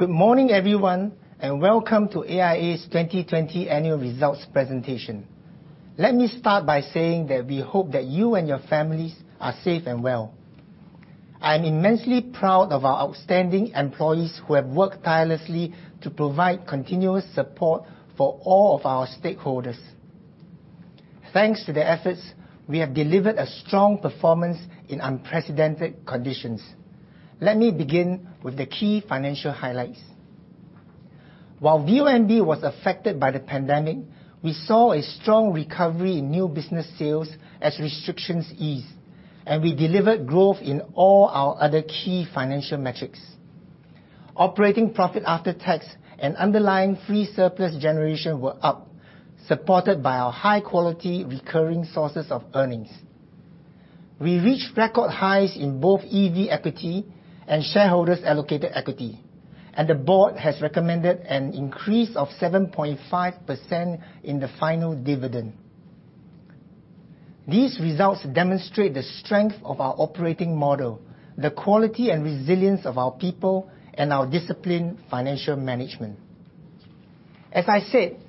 Good morning, everyone, and welcome to AIA's 2020 Annual Results Presentation. Let me start by saying that we hope that you and your families are safe and well. I am immensely proud of our outstanding employees, who have worked tirelessly to provide continuous support for all of our stakeholders. Thanks to their efforts, we have delivered a strong performance in unprecedented conditions. Let me begin with the key financial highlights. While VONB was affected by the pandemic, we saw a strong recovery in new business sales as restrictions eased, and we delivered growth in all our other key financial metrics. Operating profit after tax and underlying free surplus generation were up, supported by our high-quality recurring sources of earnings. We reached record highs in both EV equity and shareholders' allocated equity, and the board has recommended an increase of 7.5% in the final dividend. These results demonstrate the strength of our operating model, the quality and resilience of our people, and our disciplined financial management. As I said,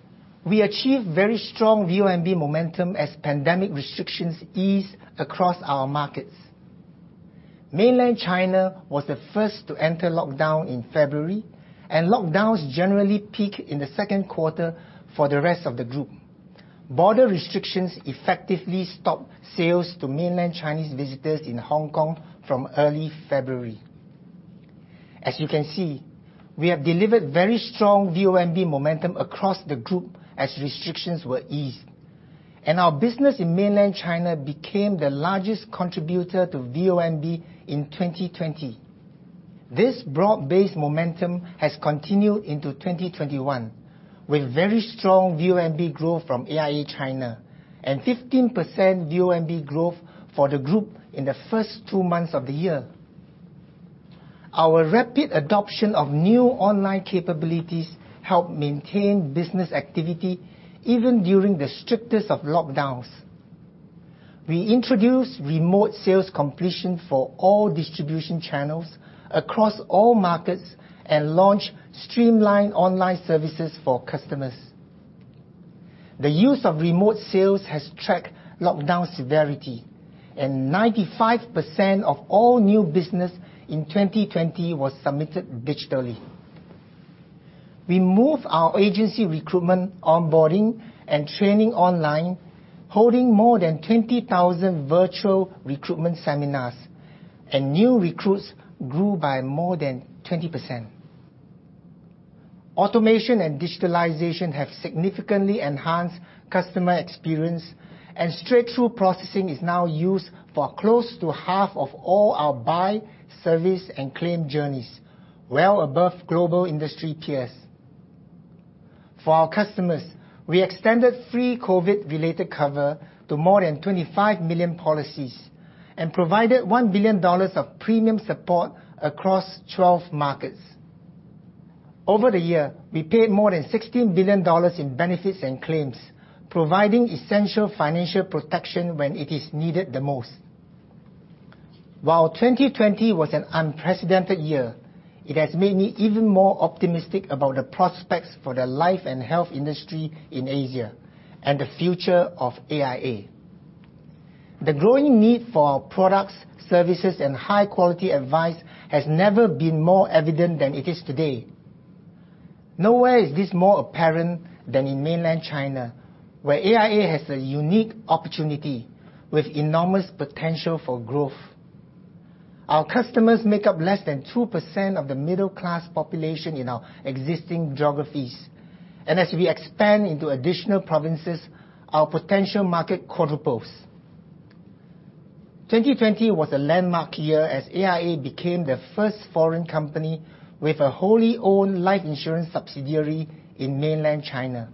we achieved very strong VONB momentum as pandemic restrictions eased across our markets. Mainland China was the first to enter lockdown in February, and lockdowns generally peaked in the second quarter for the rest of the group. Border restrictions effectively stopped sales to Mainland Chinese Visitors in Hong Kong from early February. As you can see, we have delivered very strong VONB momentum across the group as restrictions were eased, and our business in Mainland China became the largest contributor to VONB in 2020. This broad-based momentum has continued into 2021, with very strong VONB growth from AIA China and 15% VONB growth for the group in the first two months of the year. Our rapid adoption of new online capabilities helped maintain business activity even during the strictest of lockdowns. We introduced remote sales completion for all distribution channels across all markets and launched streamlined online services for customers. The use of remote sales has tracked lockdown severity, and 95% of all new business in 2020 was submitted digitally. We moved our agency recruitment, onboarding, and training online, holding more than 20,000 virtual recruitment seminars, and new recruits grew by more than 20%. Automation and digitalization have significantly enhanced customer experience, and straight-through processing is now used for close to half of all our buy, service, and claim journeys, well above global industry peers. For our customers, we extended free COVID-related cover to more than 25 million policies and provided 1 billion dollars of premium support across 12 markets. Over the year, we paid more than 16 billion dollars in benefits and claims, providing essential financial protection when it is needed the most. While 2020 was an unprecedented year, it has made me even more optimistic about the prospects for the life and health industry in Asia and the future of AIA. The growing need for our products, services, and high-quality advice has never been more evident than it is today. Nowhere is this more apparent than in mainland China, where AIA has a unique opportunity with enormous potential for growth. Our customers make up less than 2% of the middle-class population in our existing geographies, and as we expand into additional provinces, our potential market quadruples. 2020 was a landmark year as AIA became the first foreign company with a wholly owned life insurance subsidiary in mainland China.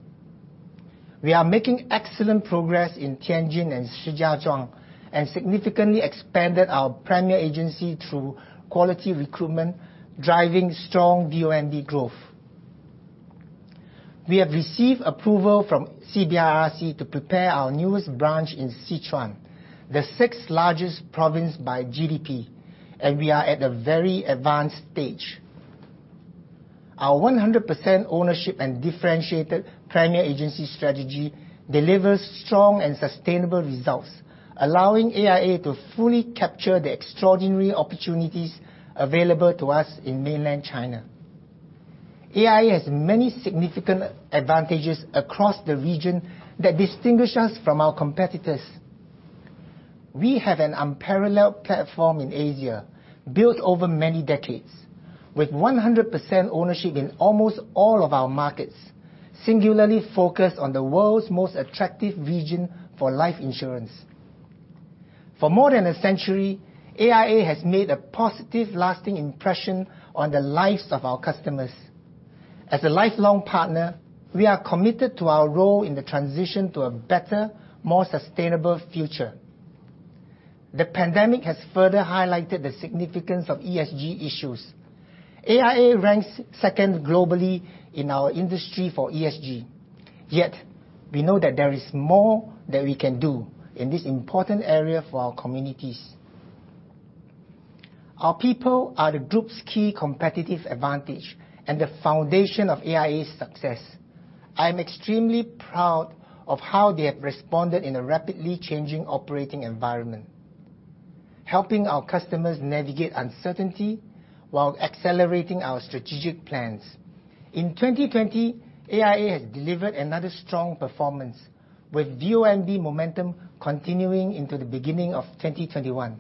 We are making excellent progress in Tianjin and Shijiazhuang and significantly expanded our premier agency through quality recruitment, driving strong VONB growth. We have received approval from CBIRC to prepare our newest branch in Sichuan, the sixth-largest province by GDP, and we are at a very advanced stage. Our 100% ownership and differentiated premier agency strategy delivers strong and sustainable results, allowing AIA to fully capture the extraordinary opportunities available to us in mainland China. AIA has many significant advantages across the region that distinguish us from our competitors. We have an unparalleled platform in Asia, built over many decades, with 100% ownership in almost all of our markets, singularly focused on the world's most attractive region for life insurance. For more than a century, AIA has made a positive, lasting impression on the lives of our customers. As a lifelong partner, we are committed to our role in the transition to a better, more sustainable future. The pandemic has further highlighted the significance of ESG issues. AIA ranks second globally in our industry for ESG. We know that there is more that we can do in this important area for our communities. Our people are the group's key competitive advantage and the foundation of AIA's success. I am extremely proud of how they have responded in a rapidly changing operating environment, helping our customers navigate uncertainty while accelerating our strategic plans. In 2020, AIA has delivered another strong performance, with VONB momentum continuing into the beginning of 2021.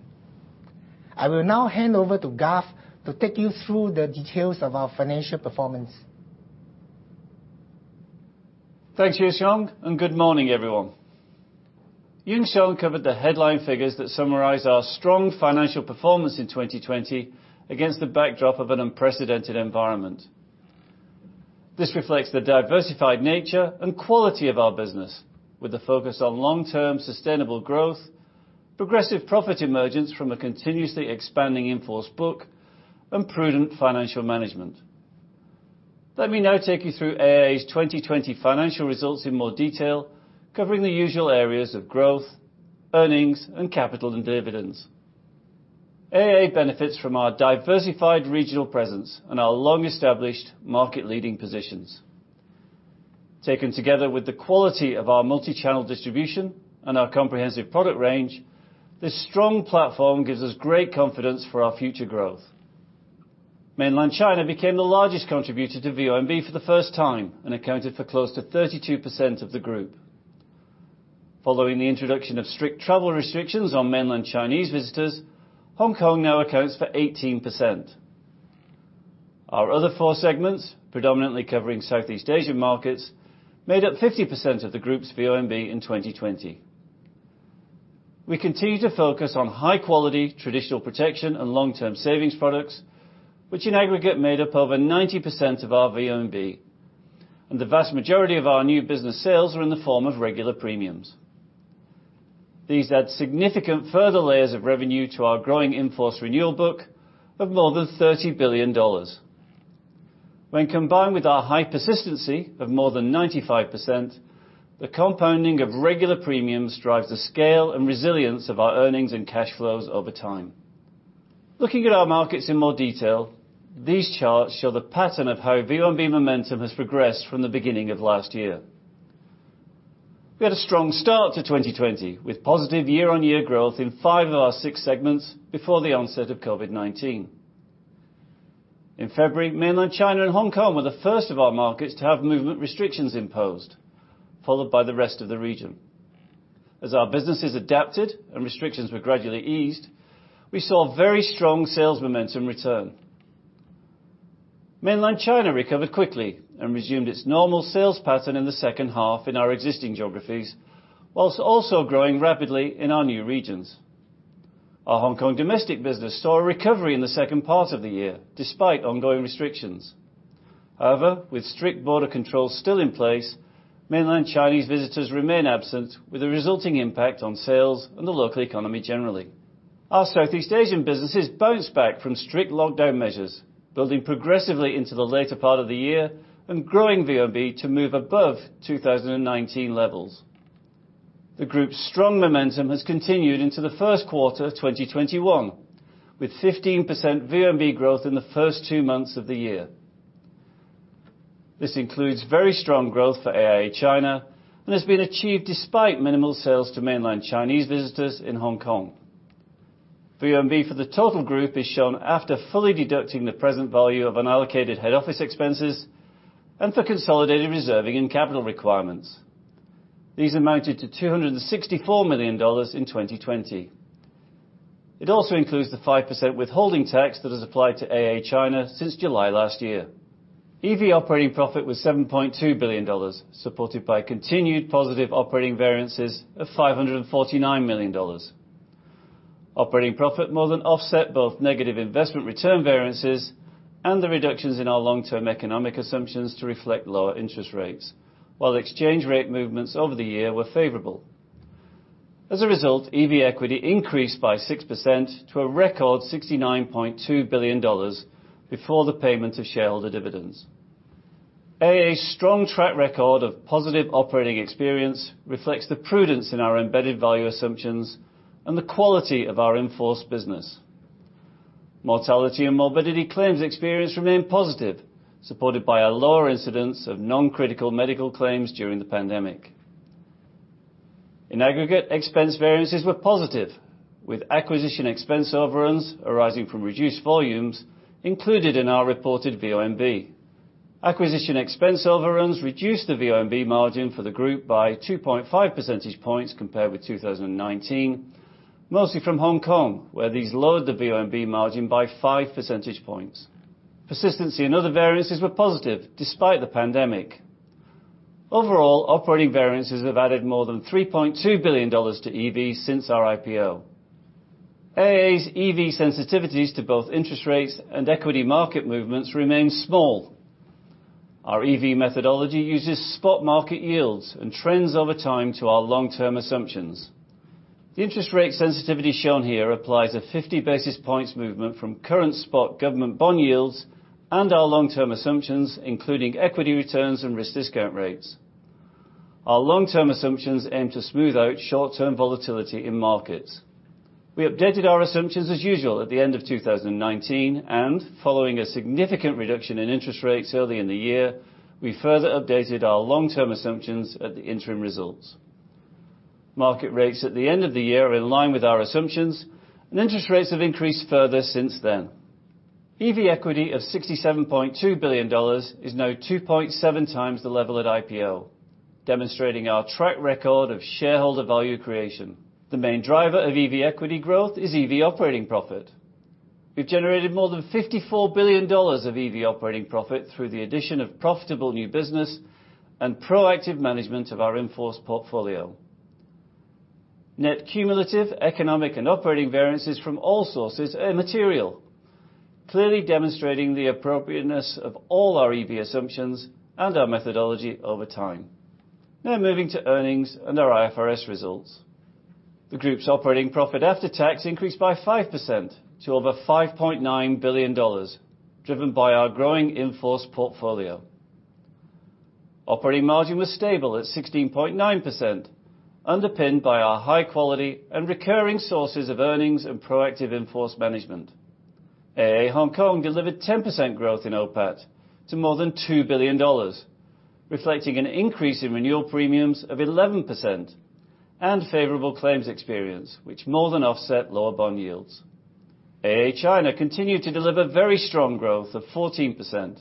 I will now hand over to Garth to take you through the details of our financial performance. Thanks, Yuan Siong, and good morning, everyone. Yuan Siong covered the headline figures that summarize our strong financial performance in 2020 against the backdrop of an unprecedented environment. This reflects the diversified nature and quality of our business, with a focus on long-term sustainable growth, progressive profit emergence from a continuously expanding in-force book, and prudent financial management. Let me now take you through AIA's 2020 financial results in more detail, covering the usual areas of growth, earnings, and capital and dividends. AIA benefits from our diversified regional presence and our long-established market-leading positions. Taken together with the quality of our multi-channel distribution and our comprehensive product range, this strong platform gives us great confidence for our future growth. Mainland China became the largest contributor to VONB for the first time and accounted for close to 32% of the group. Following the introduction of strict travel restrictions on Mainland Chinese Visitors, Hong Kong now accounts for 18%. Our other four segments, predominantly covering Southeast Asian markets, made up 50% of the group's VONB in 2020. We continue to focus on high-quality traditional protection and long-term savings products, which in aggregate made up over 90% of our VONB. The vast majority of our new business sales are in the form of regular premiums. These add significant further layers of revenue to our growing in-force renewal book of more than 30 billion dollars. When combined with our high persistency of more than 95%, the compounding of regular premiums drives the scale and resilience of our earnings and cash flows over time. Looking at our markets in more detail, these charts show the pattern of how VONB momentum has progressed from the beginning of last year. We had a strong start to 2020, with positive year-on-year growth in five of our six segments before the onset of COVID-19. In February, Mainland China and Hong Kong were the first of our markets to have movement restrictions imposed, followed by the rest of the region. As our businesses adapted and restrictions were gradually eased, we saw very strong sales momentum return. Mainland China recovered quickly and resumed its normal sales pattern in the second half in our existing geographies, whilst also growing rapidly in our new regions. Our Hong Kong domestic business saw a recovery in the second part of the year, despite ongoing restrictions. However, with strict border controls still in place, Mainland Chinese visitors remain absent, with a resulting impact on sales and the local economy generally. Our Southeast Asian businesses bounced back from strict lockdown measures, building progressively into the later part of the year and growing VONB to move above 2019 levels. The group's strong momentum has continued into the first quarter of 2021, with 15% VONB growth in the first two months of the year. This includes very strong growth for AIA China and has been achieved despite minimal sales to mainland Chinese visitors in Hong Kong. VONB for the total group is shown after fully deducting the present value of unallocated head office expenses and for consolidated reserving and capital requirements. These amounted to 264 million dollars in 2020. It also includes the 5% withholding tax that has applied to AIA China since July last year. EV operating profit was 7.2 billion dollars, supported by continued positive operating variances of 549 million dollars. Operating profit more than offset both negative investment return variances and the reductions in our long-term economic assumptions to reflect lower interest rates, while exchange rate movements over the year were favorable. As a result, EV equity increased by 6% to a record 69.2 billion dollars before the payment of shareholder dividends. AIA's strong track record of positive operating experience reflects the prudence in our embedded value assumptions and the quality of our in-force business. Mortality and morbidity claims experience remained positive, supported by a lower incidence of non-critical medical claims during the pandemic. In aggregate, expense variances were positive, with acquisition expense overruns arising from reduced volumes included in our reported VONB. Acquisition expense overruns reduced the VONB margin for the group by 2.5 percentage points compared with 2019, mostly from Hong Kong, where these lowered the VONB margin by 5 percentage points. Persistency and other variances were positive despite the pandemic. Overall, operating variances have added more than 3.2 billion dollars to EV since our IPO. AIA's EV sensitivities to both interest rates and equity market movements remain small. Our EV methodology uses spot market yields and trends over time to our long-term assumptions. The interest rate sensitivity shown here applies a 50 basis points movement from current spot government bond yields and our long-term assumptions, including equity returns and risk discount rates. Our long-term assumptions aim to smooth out short-term volatility in markets. We updated our assumptions as usual at the end of 2019, and following a significant reduction in interest rates early in the year, we further updated our long-term assumptions at the interim results. Market rates at the end of the year are in line with our assumptions, and interest rates have increased further since then. EV equity of 67.2 billion dollars is now 2.7 times the level at IPO, demonstrating our track record of shareholder value creation. The main driver of EV equity growth is EV operating profit. We've generated more than 54 billion dollars of EV operating profit through the addition of profitable new business, and proactive management of our in-force portfolio. Net cumulative economic and operating variances from all sources are immaterial, clearly demonstrating the appropriateness of all our EV assumptions and our methodology over time. Now moving to earnings and our IFRS results. The group's operating profit after tax increased by 5% to over 5.9 billion dollars, driven by our growing in-force portfolio. Operating margin was stable at 16.9%, underpinned by our high quality and recurring sources of earnings and proactive in-force management. AIA Hong Kong delivered 10% growth in OPAT to more than 2 billion dollars, reflecting an increase in renewal premiums of 11% and favorable claims experience, which more than offset lower bond yields. AIA China continued to deliver very strong growth of 14%,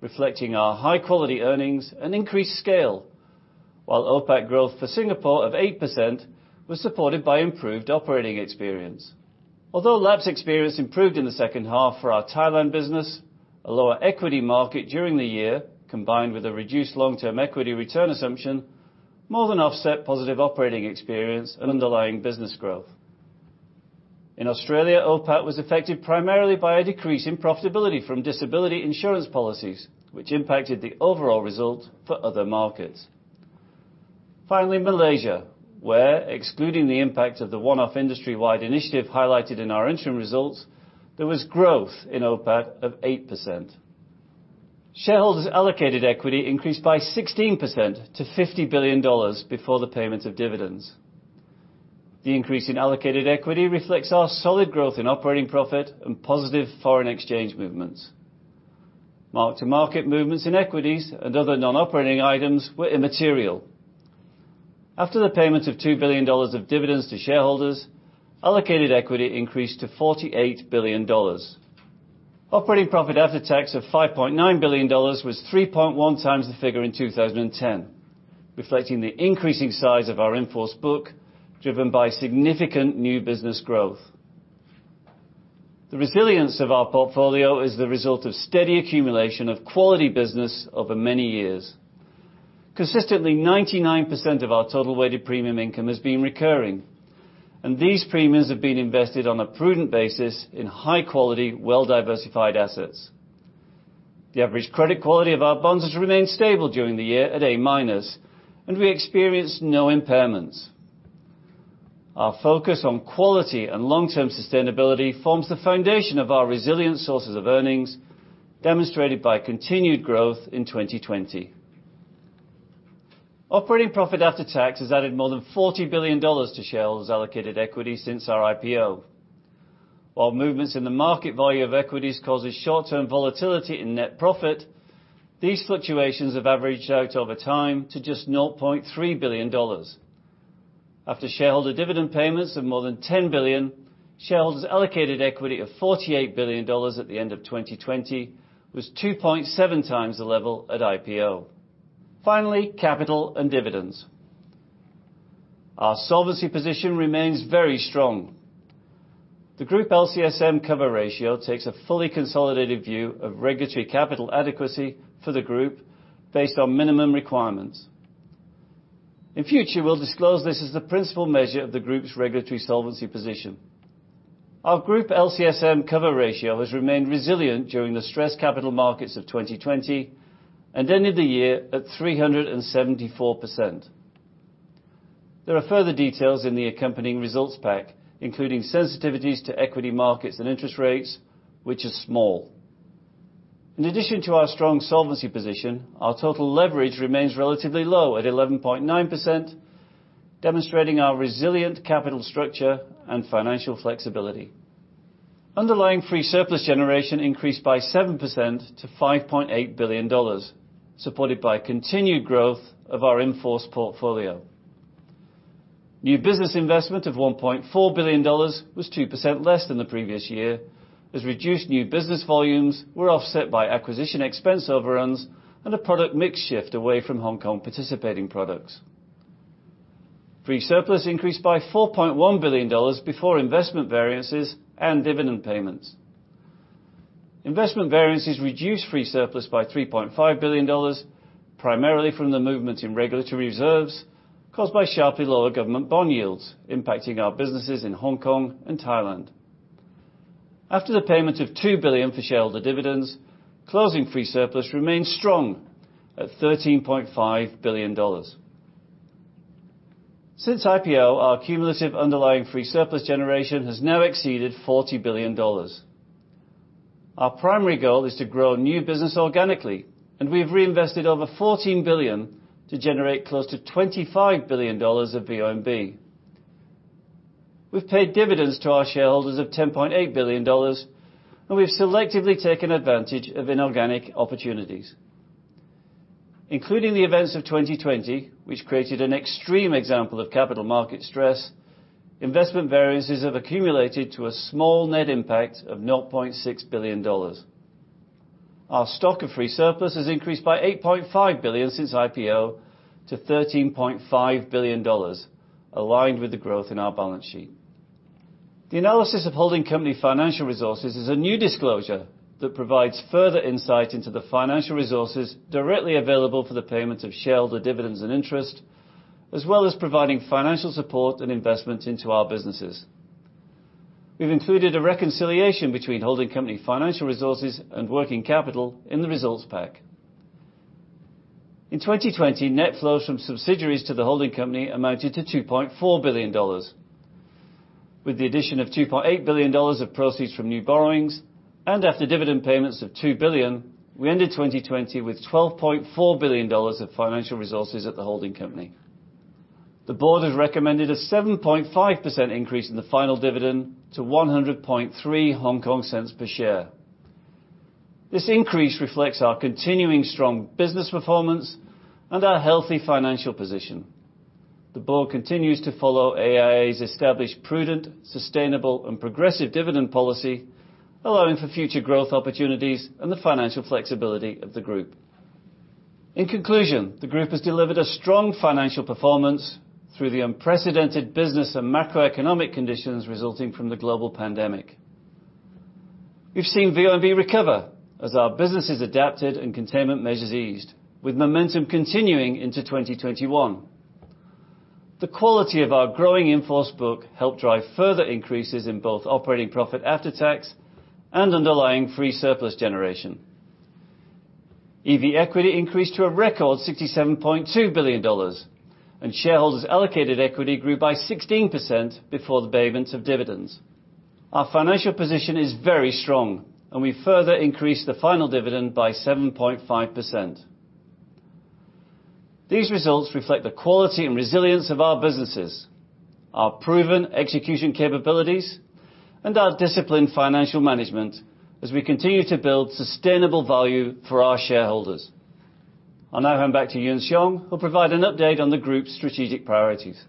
reflecting our high-quality earnings and increased scale. OPAT growth for Singapore of 8% was supported by improved operating experience. Although lapse experience improved in the second half for our Thailand business, a lower equity market during the year, combined with a reduced long-term equity return assumption, more than offset positive operating experience and underlying business growth. In Australia, OPAT was affected primarily by a decrease in profitability from disability insurance policies, which impacted the overall result for other markets. Malaysia, where excluding the impact of the one-off industry-wide initiative highlighted in our interim results, there was growth in OPAT of 8%. Shareholders' allocated equity increased by 16% to 50 billion dollars before the payment of dividends. The increase in allocated equity reflects our solid growth in operating profit and positive foreign exchange movements. Mark-to-market movements in equities and other non-operating items were immaterial. After the payment of 2 billion dollars of dividends to shareholders, allocated equity increased to 48 billion dollars. Operating profit after tax of 5.9 billion dollars was 3.1 times the figure in 2010, reflecting the increasing size of our in-force book, driven by significant new business growth. The resilience of our portfolio is the result of steady accumulation of quality business over many years. Consistently, 99% of our total weighted premium income has been recurring, and these premiums have been invested on a prudent basis in high quality, well-diversified assets. The average credit quality of our bonds has remained stable during the year at A-minus, and we experienced no impairments. Our focus on quality and long-term sustainability forms the foundation of our resilient sources of earnings, demonstrated by continued growth in 2020. Operating profit after tax has added more than 40 billion dollars to shareholders' allocated equity since our IPO. While movements in the market value of equities causes short-term volatility in net profit, these fluctuations have averaged out over time to just 0.3 billion dollars. After shareholder dividend payments of more than 10 billion, shareholders' allocated equity of 48 billion dollars at the end of 2020 was 2.7 times the level at IPO. Finally, capital and dividends. Our solvency position remains very strong. The group LCSM cover ratio takes a fully consolidated view of regulatory capital adequacy for the group based on minimum requirements. In future, we'll disclose this as the principal measure of the group's regulatory solvency position. Our group LCSM cover ratio has remained resilient during the stressed capital markets of 2020. Ended the year at 374%. There are further details in the accompanying results pack, including sensitivities to equity markets and interest rates, which are small. In addition to our strong solvency position, our total leverage remains relatively low at 11.9%, demonstrating our resilient capital structure and financial flexibility. Underlying free surplus generation increased by 7% to 5.8 billion dollars, supported by continued growth of our in-force portfolio. New business investment of 1.4 billion dollars was 2% less than the previous year, as reduced new business volumes were offset by acquisition expense overruns and a product mix shift away from Hong Kong participating products. Free surplus increased by 4.1 billion dollars before investment variances and dividend payments. Investment variances reduced free surplus by HKD 3.5 billion, primarily from the movement in regulatory reserves caused by sharply lower government bond yields, impacting our businesses in Hong Kong and Thailand. After the payment of 2 billion for shareholder dividends, closing free surplus remains strong at 13.5 billion dollars. Since IPO, our cumulative underlying free surplus generation has now exceeded 40 billion dollars. Our primary goal is to grow new business organically. We've reinvested over 14 billion to generate close to 25 billion dollars of VONB. We've paid dividends to our shareholders of 10.8 billion dollars. We've selectively taken advantage of inorganic opportunities. Including the events of 2020, which created an extreme example of capital market stress, investment variances have accumulated to a small net impact of 0.6 billion dollars. Our stock of free surplus has increased by 8.5 billion since IPO to 13.5 billion dollars, aligned with the growth in our balance sheet. The analysis of holding company financial resources is a new disclosure that provides further insight into the financial resources directly available for the payment of shareholder dividends and interest, as well as providing financial support and investment into our businesses. We've included a reconciliation between holding company financial resources and working capital in the results pack. In 2020, net flows from subsidiaries to the holding company amounted to 2.4 billion dollars. With the addition of 2.8 billion dollars of proceeds from new borrowings and after dividend payments of 2 billion, we ended 2020 with 12.4 billion dollars of financial resources at the holding company. The board has recommended a 7.5% increase in the final dividend to 1.003 per share. This increase reflects our continuing strong business performance and our healthy financial position. The board continues to follow AIA's established, prudent, sustainable and progressive dividend policy, allowing for future growth opportunities and the financial flexibility of the group. In conclusion, the group has delivered a strong financial performance through the unprecedented business and macroeconomic conditions resulting from the global pandemic. We've seen VNB recover as our businesses adapted and containment measures eased, with momentum continuing into 2021. The quality of our growing in-force book helped drive further increases in both operating profit after tax and underlying free surplus generation. EV equity increased to a record HKD 67.2 billion, and shareholders allocated equity grew by 16% before the payment of dividends. Our financial position is very strong, and we further increased the final dividend by 7.5%. These results reflect the quality and resilience of our businesses, our proven execution capabilities, and our disciplined financial management as we continue to build sustainable value for our shareholders. I'll now hand back to Yuan Siong, who'll provide an update on the group's strategic priorities.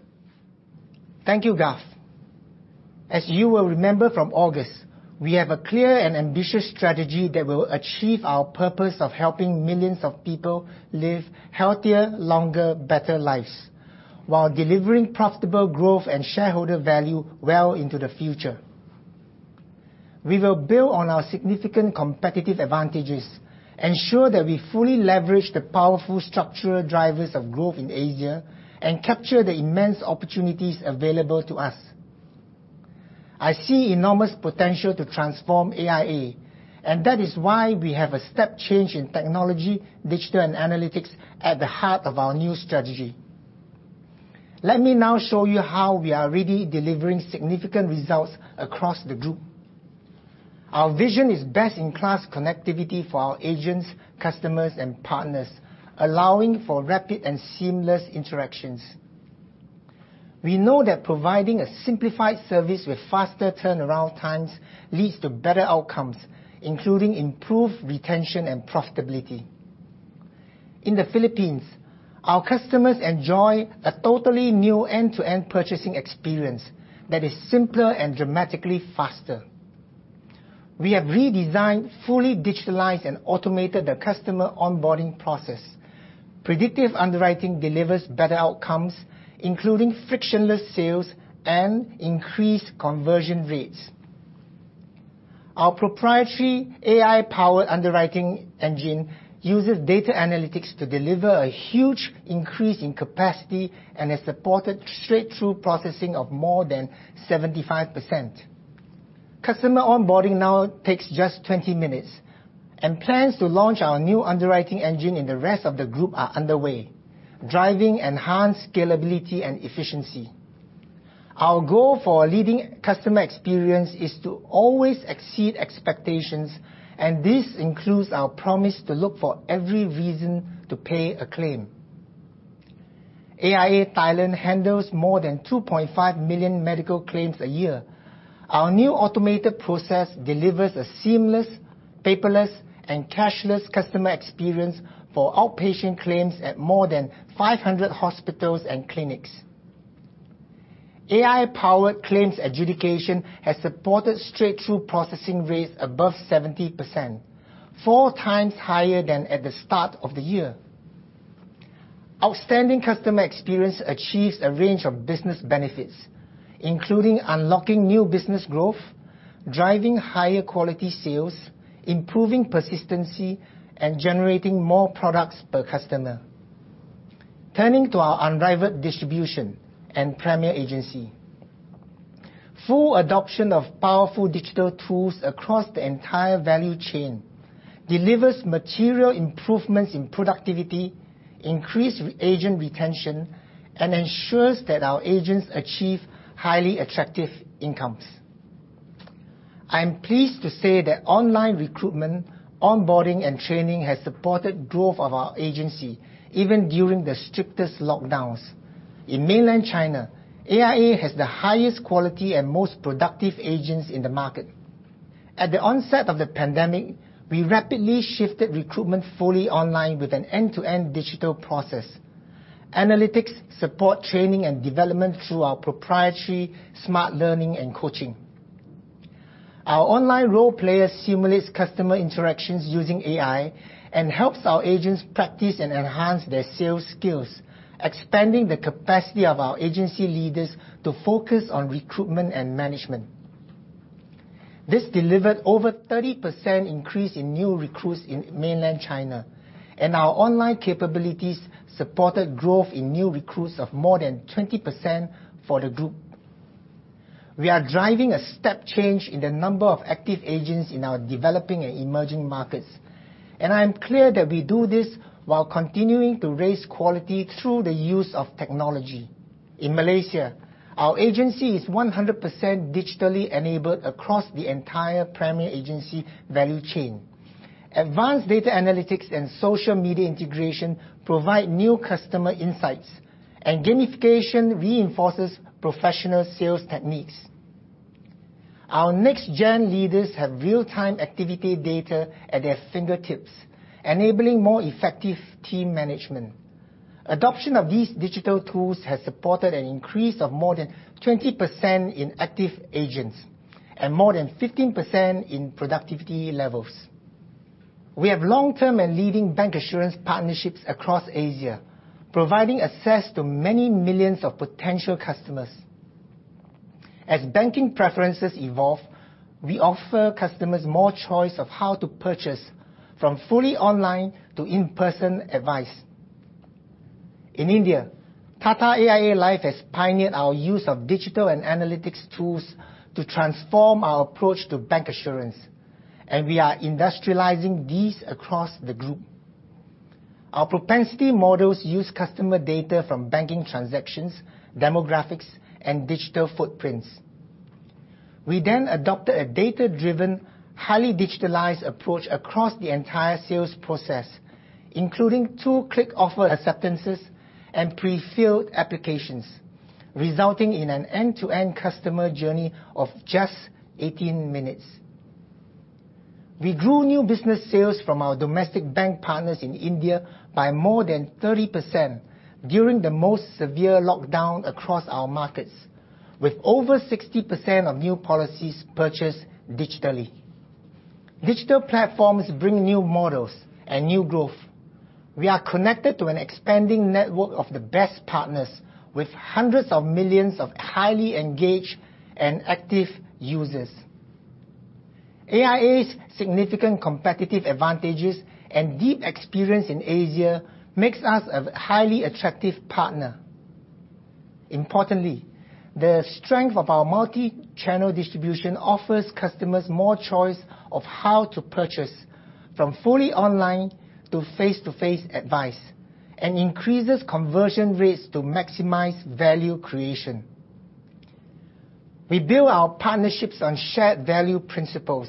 Thank you, Garth. As you will remember from August, we have a clear and ambitious strategy that will achieve our purpose of helping millions of people live healthier, longer, better lives while delivering profitable growth and shareholder value well into the future. We will build on our significant competitive advantages, ensure that we fully leverage the powerful structural drivers of growth in Asia, and capture the immense opportunities available to us. I see enormous potential to transform AIA, and that is why we have a step change in technology, digital, and analytics at the heart of our new strategy. Let me now show you how we are already delivering significant results across the group. Our vision is best-in-class connectivity for our agents, customers, partners, allowing for rapid and seamless interactions. We know that providing a simplified service with faster turnaround times leads to better outcomes, including improved retention and profitability. In the Philippines, our customers enjoy a totally new end-to-end purchasing experience that is simpler and dramatically faster. We have redesigned, fully digitalized, and automated the customer onboarding process. Predictive underwriting delivers better outcomes, including frictionless sales and increased conversion rates. Our proprietary AI-powered underwriting engine uses data analytics to deliver a huge increase in capacity and has supported straight-through processing of more than 75%. Customer onboarding now takes just 20 minutes, and plans to launch our new underwriting engine in the rest of the group are underway, driving enhanced scalability and efficiency. Our goal for leading customer experience is to always exceed expectations, and this includes our promise to look for every reason to pay a claim. AIA Thailand handles more than 2.5 million medical claims a year. Our new automated process delivers a seamless, paperless, and cashless customer experience for outpatient claims at more than 500 hospitals and clinics. AI-powered claims adjudication has supported straight-through processing rates above 70%, four times higher than at the start of the year. Outstanding customer experience achieves a range of business benefits, including unlocking new business growth, driving higher quality sales, improving persistency, and generating more products per customer. Turning to our unrivaled distribution and premier agency. Full adoption of powerful digital tools across the entire value chain delivers material improvements in productivity, increased agent retention, and ensures that our agents achieve highly attractive incomes. I am pleased to say that online recruitment, onboarding, and training has supported growth of our agency even during the strictest lockdowns. In mainland China, AIA has the highest quality and most productive agents in the market. At the onset of the pandemic, we rapidly shifted recruitment fully online with an end-to-end digital process. Analytics support training and development through our proprietary smart learning and coaching. Our online role-play simulates customer interactions using AI and helps our agents practice and enhance their sales skills, expanding the capacity of our agency leaders to focus on recruitment and management. This delivered over 30% increase in new recruits in mainland China, and our online capabilities supported growth in new recruits of more than 20% for the group. We are driving a step change in the number of active agents in our developing and emerging markets, and I am clear that we do this while continuing to raise quality through the use of technology. In Malaysia, our agency is 100% digitally enabled across the entire primary agency value chain. Advanced data analytics and social media integration provide new customer insights, and gamification reinforces professional sales techniques. Our next-gen leaders have real-time activity data at their fingertips, enabling more effective team management. Adoption of these digital tools has supported an increase of more than 20% in active agents and more than 15% in productivity levels. We have long-term and leading bancassurance partnerships across Asia, providing access to many millions of potential customers. As banking preferences evolve, we offer customers more choice of how to purchase, from fully online to in-person advice. In India, Tata AIA Life has pioneered our use of digital and analytics tools to transform our approach to bancassurance, and we are industrializing these across the group. Our propensity models use customer data from banking transactions, demographics, and digital footprints. We adopted a data-driven, highly digitalized approach across the entire sales process, including two-click offer acceptances and pre-filled applications, resulting in an end-to-end customer journey of just 18 minutes. We grew new business sales from our domestic bank partners in India by more than 30% during the most severe lockdown across our markets, with over 60% of new policies purchased digitally. Digital platforms bring new models and new growth. We are connected to an expanding network of the best partners, with hundreds of millions of highly engaged and active users. AIA's significant competitive advantages and deep experience in Asia makes us a highly attractive partner. Importantly, the strength of our multi-channel distribution offers customers more choice of how to purchase, from fully online to face-to-face advice, and increases conversion rates to maximize value creation. We build our partnerships on shared value principles,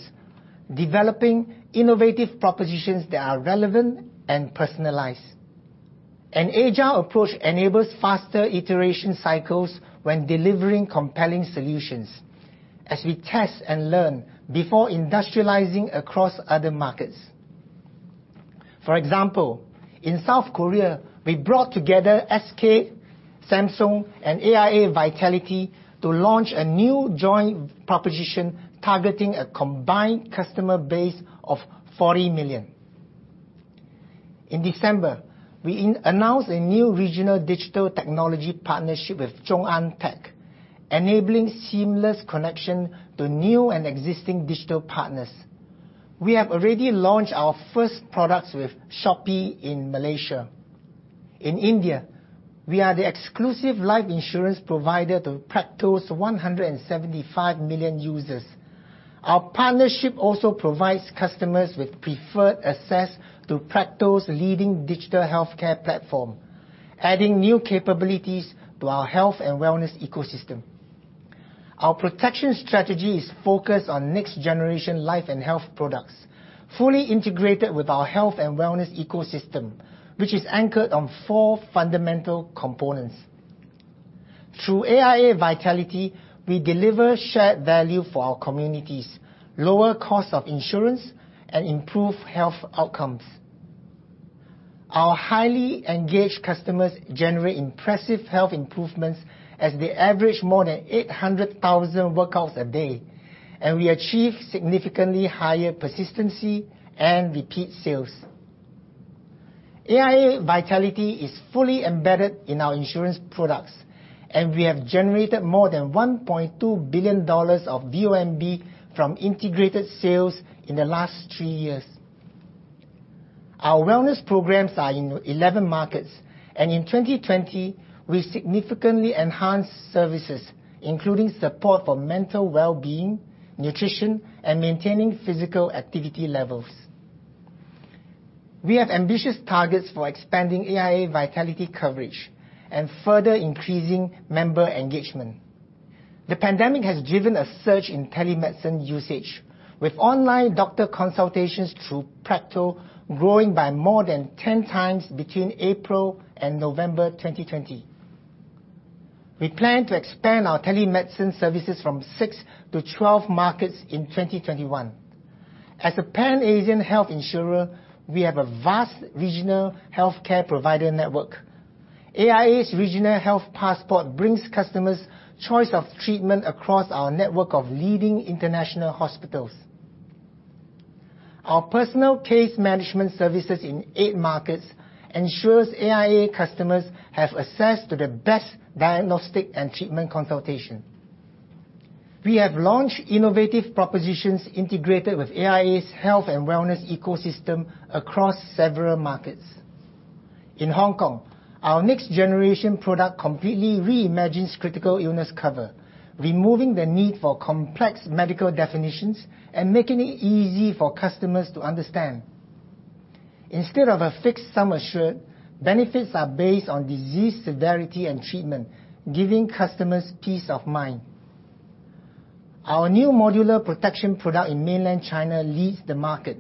developing innovative propositions that are relevant and personalized. An agile approach enables faster iteration cycles when delivering compelling solutions as we test and learn before industrializing across other markets. For example, in South Korea, we brought together SK, Samsung, and AIA Vitality to launch a new joint proposition targeting a combined customer base of 40 million. In December, we announced a new regional digital technology partnership with ZhongAn Tech, enabling seamless connection to new and existing digital partners. We have already launched our first products with Shopee in Malaysia. In India, we are the exclusive life insurance provider to Practo's 175 million users. Our partnership also provides customers with preferred access to Practo's leading digital healthcare platform, adding new capabilities to our health and wellness ecosystem. Our protection strategy is focused on next-generation life and health products, fully integrated with our health and wellness ecosystem, which is anchored on four fundamental components. Through AIA Vitality, we deliver shared value for our communities, lower cost of insurance, and improved health outcomes. Our highly engaged customers generate impressive health improvements as they average more than 800,000 workouts a day, and we achieve significantly higher persistency and repeat sales. AIA Vitality is fully embedded in our insurance products, and we have generated more than 1.2 billion dollars of VONB from integrated sales in the last three years. Our wellness programs are in 11 markets, and in 2020 we significantly enhanced services, including support for mental wellbeing, nutrition, and maintaining physical activity levels. We have ambitious targets for expanding AIA Vitality coverage and further increasing member engagement. The pandemic has driven a surge in telemedicine usage with online doctor consultations through Practo growing by more than 10 times between April and November 2020. We plan to expand our telemedicine services from six to 12 markets in 2021. As a Pan-Asian health insurer, we have a vast regional healthcare provider network. AIA's Regional Health Passport brings customers choice of treatment across our network of leading international hospitals. Our personal case management services in eight markets ensures AIA customers have access to the best diagnostic and treatment consultation. We have launched innovative propositions integrated with AIA's health and wellness ecosystem across several markets. In Hong Kong, our next generation product completely reimagines critical illness cover, removing the need for complex medical definitions and making it easy for customers to understand. Instead of a fixed sum assured, benefits are based on disease severity and treatment, giving customers peace of mind. Our new modular protection product in mainland China leads the market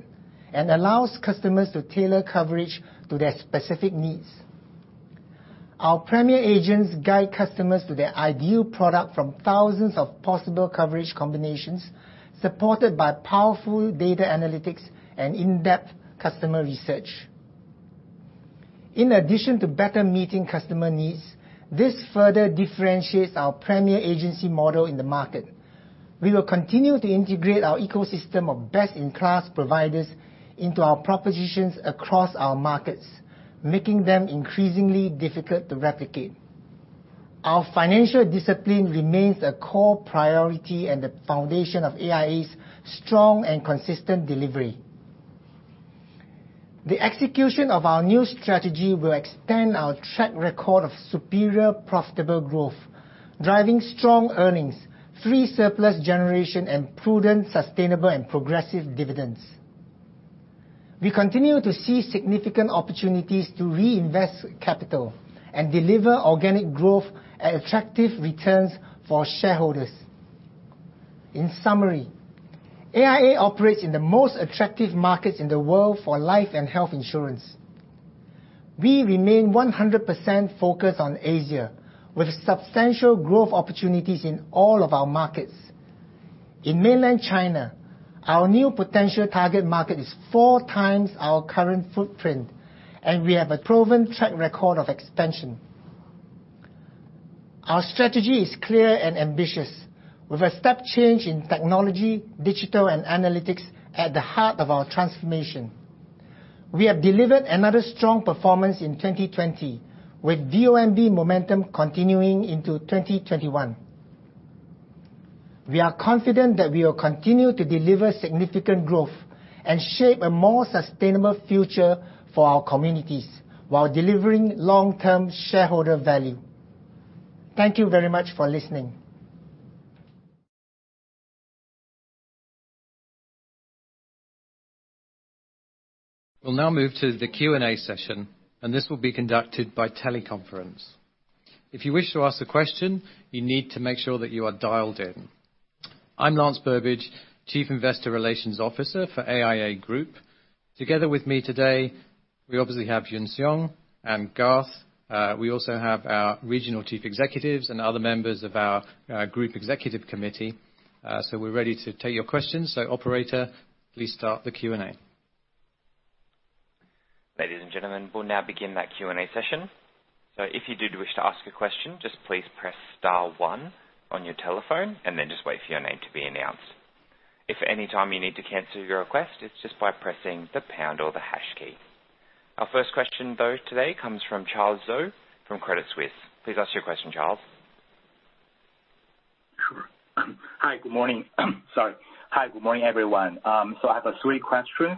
and allows customers to tailor coverage to their specific needs. Our premier agents guide customers to their ideal product from thousands of possible coverage combinations, supported by powerful data analytics and in-depth customer research. In addition to better meeting customer needs, this further differentiates our premier agency model in the market. We will continue to integrate our ecosystem of best-in-class providers into our propositions across our markets, making them increasingly difficult to replicate. Our financial discipline remains a core priority and the foundation of AIA's strong and consistent delivery. The execution of our new strategy will extend our track record of superior profitable growth, driving strong earnings, free surplus generation, and prudent, sustainable, and progressive dividends. We continue to see significant opportunities to reinvest capital and deliver organic growth at attractive returns for shareholders. In summary, AIA operates in the most attractive markets in the world for life and health insurance. We remain 100% focused on Asia, with substantial growth opportunities in all of our markets. In mainland China, our new potential target market is four times our current footprint, and we have a proven track record of expansion. Our strategy is clear and ambitious, with a step change in technology, digital, and analytics at the heart of our transformation. We have delivered another strong performance in 2020 with VONB momentum continuing into 2021. We are confident that we will continue to deliver significant growth and shape a more sustainable future for our communities while delivering long-term shareholder value. Thank you very much for listening. We'll now move to the Q&A session, and this will be conducted by teleconference. If you wish to ask a question, you need to make sure that you are dialed in. I'm Lance Burbidge, Chief Investor Relations Officer for AIA Group. Together with me today, we obviously have Yuan Siong and Garth. We also have our regional chief executives and other members of our Group Executive Committee. We're ready to take your questions. Operator, please start the Q&A. Ladies and gentlemen, we'll now begin that Q&A session. If you do wish to ask a question, just please press star one on your telephone and then just wait for your name to be announced. If at any time you need to cancel your request, it's just by pressing the pound or the hash key. Our first question, though, today comes from Charles Zhou from Credit Suisse. Please ask your question, Charles. Sure. Hi. Good morning. Sorry. Hi. Good morning, everyone. I have three questions.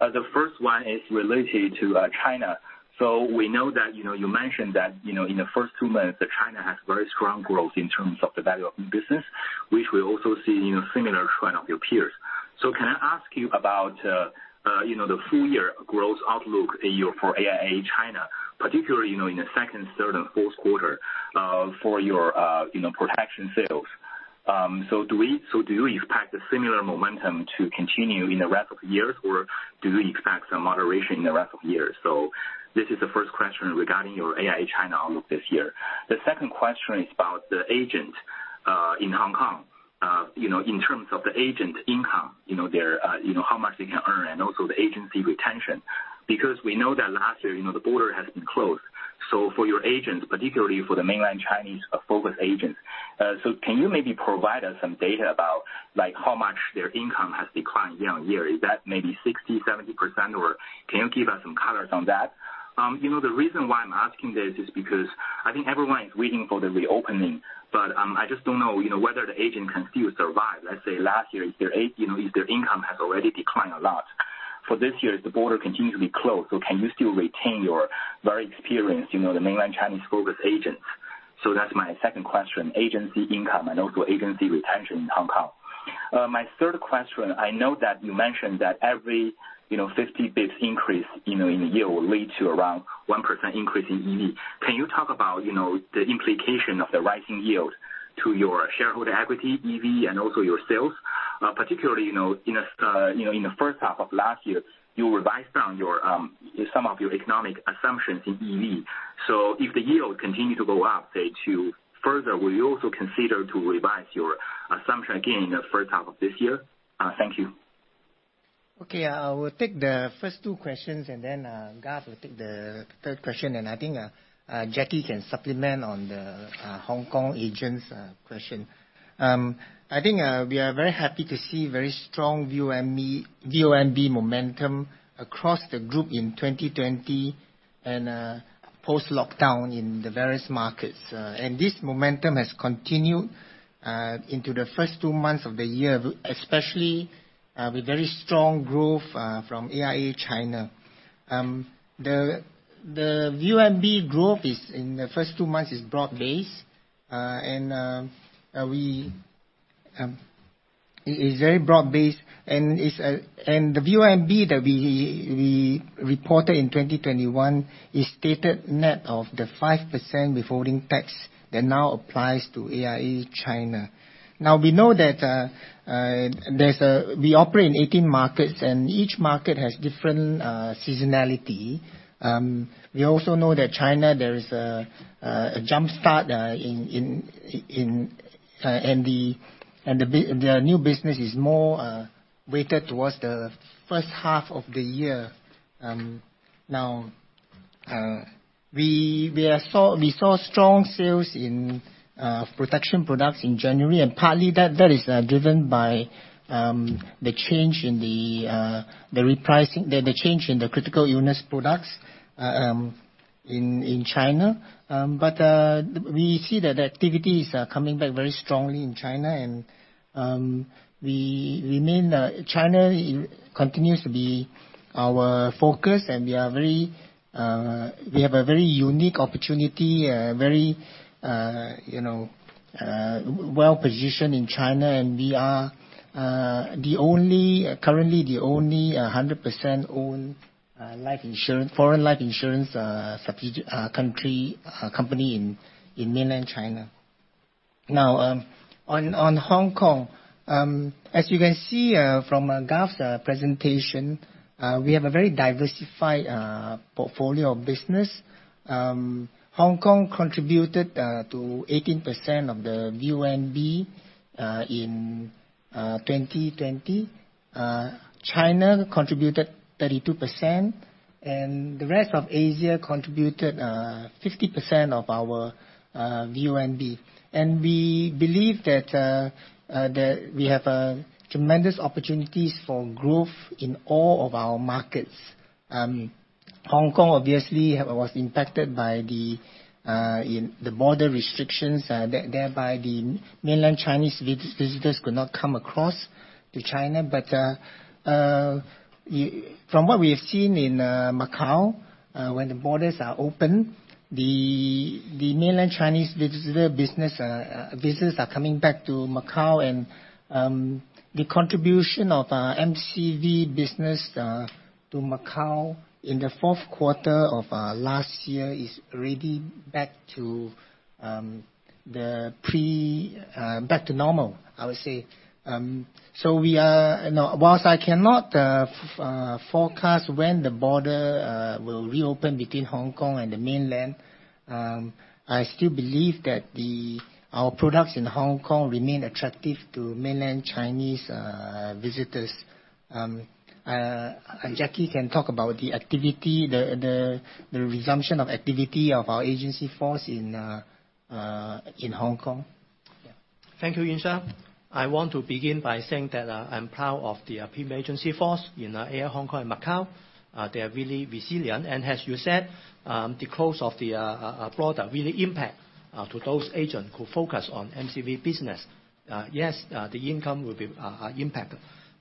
The first one is related to China. We know that you mentioned that in the first two months that China has very strong growth in terms of the value of new business, which we also see similar trend of your peers. Can I ask you about the full year growth outlook for AIA China, particularly in the second, third, and fourth quarter for your protection sales. Do you expect a similar momentum to continue in the rest of the year, or do you expect some moderation in the rest of the year? This is the first question regarding your AIA China outlook this year. The second question is about the agent, in Hong Kong. In terms of the agent income, how much they can earn and also the agency retention. We know that last year, the border has been closed. For your agents, particularly for the Mainland Chinese focused agents. Can you maybe provide us some data about how much their income has declined year-on-year? Is that maybe 60%, 70%, or can you give us some color on that? The reason why I am asking this is because I think everyone is waiting for the reopening. I just don't know whether the agent can still survive. Let us say last year, their income has already declined a lot. For this year, the border continues to be closed, can you still retain your very experienced Mainland Chinese focus agents? That is my second question, agency income and also agency retention in Hong Kong. My third question, I know that you mentioned that every 50 basis points increase in a year will lead to around 1% increase in EV. Can you talk about the implication of the rising yield to your shareholder equity, EV, and also your sales? Particularly, in the first half of last year, you revised down some of your economic assumptions in EV. If the yield continue to go up, say, to further, will you also consider to revise your assumption again in the first half of this year? Thank you. Okay. I will take the first two questions, and then Garth will take the third question, and I think Jacky can supplement on the Hong Kong agents question. I think we are very happy to see very strong VONB momentum across the group in 2020 and post-lockdown in the various markets. This momentum has continued into the first two months of the year, especially with very strong growth from AIA China. The VONB growth in the first two months is broad based. It is very broad based, and the VONB that we reported in 2021 is stated net of the 5% withholding tax that now applies to AIA China. We know that we operate in 18 markets, and each market has different seasonality. We also know that China, there is a jumpstart, and their new business is more weighted towards the first half of the year. We saw strong sales in protection products in January, partly that is driven by the change in the critical illness products in China. We see that the activities are coming back very strongly in China. China continues to be our focus, we have a very unique opportunity, very well-positioned in China, we are currently the only 100% owned foreign life insurance company in mainland China. On Hong Kong. As you can see from Garth's presentation, we have a very diversified portfolio of business. Hong Kong contributed to 18% of the VONB in 2020. China contributed 32%, the rest of Asia contributed 50% of our VONB. We believe that we have tremendous opportunities for growth in all of our markets. Hong Kong, obviously, was impacted by the border restrictions. The mainland Chinese visitors could not come across to China. From what we have seen in Macau, when the borders are open, the mainland Chinese visitors are coming back to Macau, and the contribution of MCV business to Macau in the fourth quarter of last year is already back to normal, I would say. Whilst I cannot forecast when the border will reopen between Hong Kong and the mainland, I still believe that our products in Hong Kong remain attractive to mainland Chinese visitors. Jacky can talk about the resumption of activity of our agency force in Hong Kong. Thank you, Yuan Siong. I want to begin by saying that I am proud of the premier agency force in AIA Hong Kong and Macau. They are really resilient. As you said, the close of the product really impact to those agents who focus on MCV business. Yes, the income will be impacted.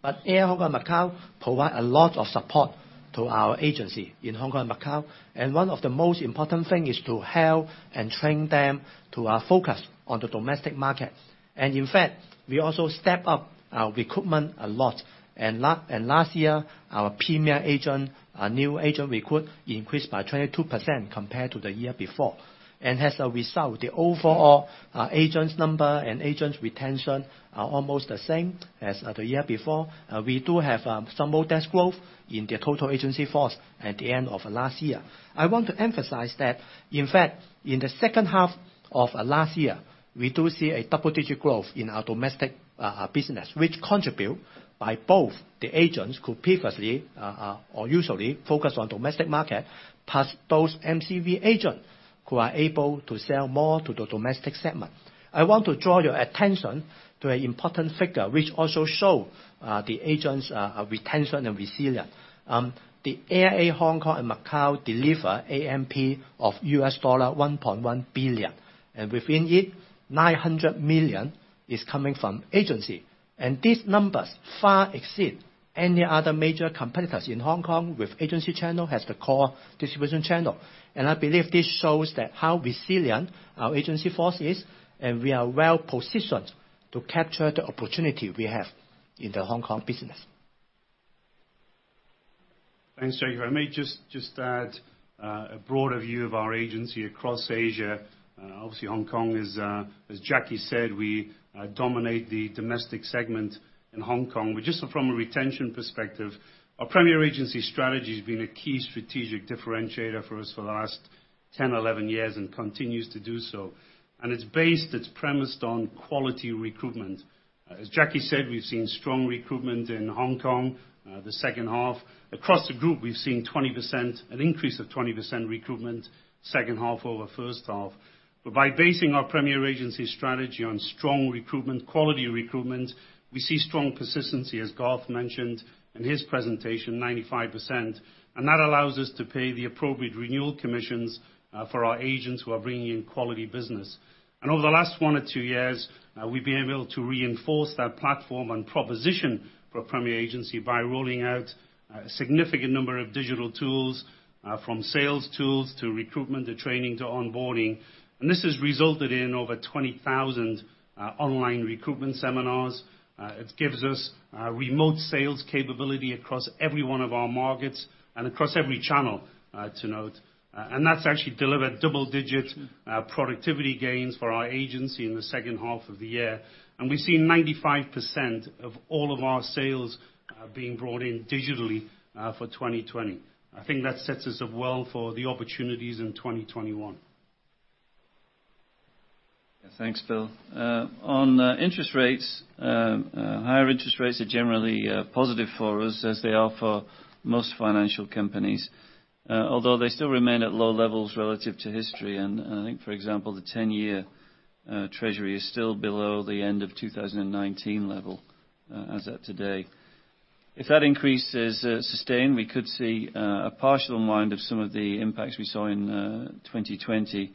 AIA Hong Kong and Macau provide a lot of support to our agency in Hong Kong and Macau, and one of the most important thing is to help and train them to focus on the domestic markets. In fact, we also step up our recruitment a lot. Last year, our premier agent, our new agent recruit increased by 22% compared to the year before. As a result, the overall agents number and agents retention are almost the same as the year before. We do have some modest growth in the total agency force at the end of last year. I want to emphasize that, in fact, in the second half of last year, we do see a double-digit growth in our domestic business, which contribute by both the agents who previously or usually focus on domestic market, plus those MCV agents who are able to sell more to the domestic segment. I want to draw your attention to an important figure, which also show the agents' retention and resilience. The AIA Hong Kong and Macau deliver ANP of $1.1 billion, and within it, $900 million is coming from agency. These numbers far exceed any other major competitors in Hong Kong with agency channel as the core distribution channel. I believe this shows that how resilient our agency force is, and we are well positioned to capture the opportunity we have in the Hong Kong business. Thanks, Jacky. If I may just add a broader view of our agency across Asia. Obviously, Hong Kong, as Jacky said, we dominate the domestic segment in Hong Kong. Just from a retention perspective, our premier agency strategy has been a key strategic differentiator for us for the last 10, 11 years and continues to do so. It's premised on quality recruitment. As Jacky said, we've seen strong recruitment in Hong Kong the second half. Across the group, we've seen an increase of 20% recruitment second half over first half. By basing our premier agency strategy on strong recruitment, quality recruitment, we see strong consistency, as Garth mentioned in his presentation, 95%, and that allows us to pay the appropriate renewal commissions for our agents who are bringing in quality business. Over the last one or two years, we've been able to reinforce that platform and proposition for premier agency by rolling out a significant number of digital tools, from sales tools to recruitment, to training, to onboarding. This has resulted in over 20,000 online recruitment seminars. It gives us remote sales capability across every one of our markets and across every channel to note. That's actually delivered double-digit productivity gains for our agency in the second half of the year. We've seen 95% of all of our sales being brought in digitally for 2020. I think that sets us up well for the opportunities in 2021. Thanks, Bill. On interest rates, higher interest rates are generally positive for us as they are for most financial companies. Although they still remain at low levels relative to history. I think, for example, the 10-year Treasury is still below the end of 2019 level as of today. If that increase is sustained, we could see a partial unwind of some of the impacts we saw in 2020.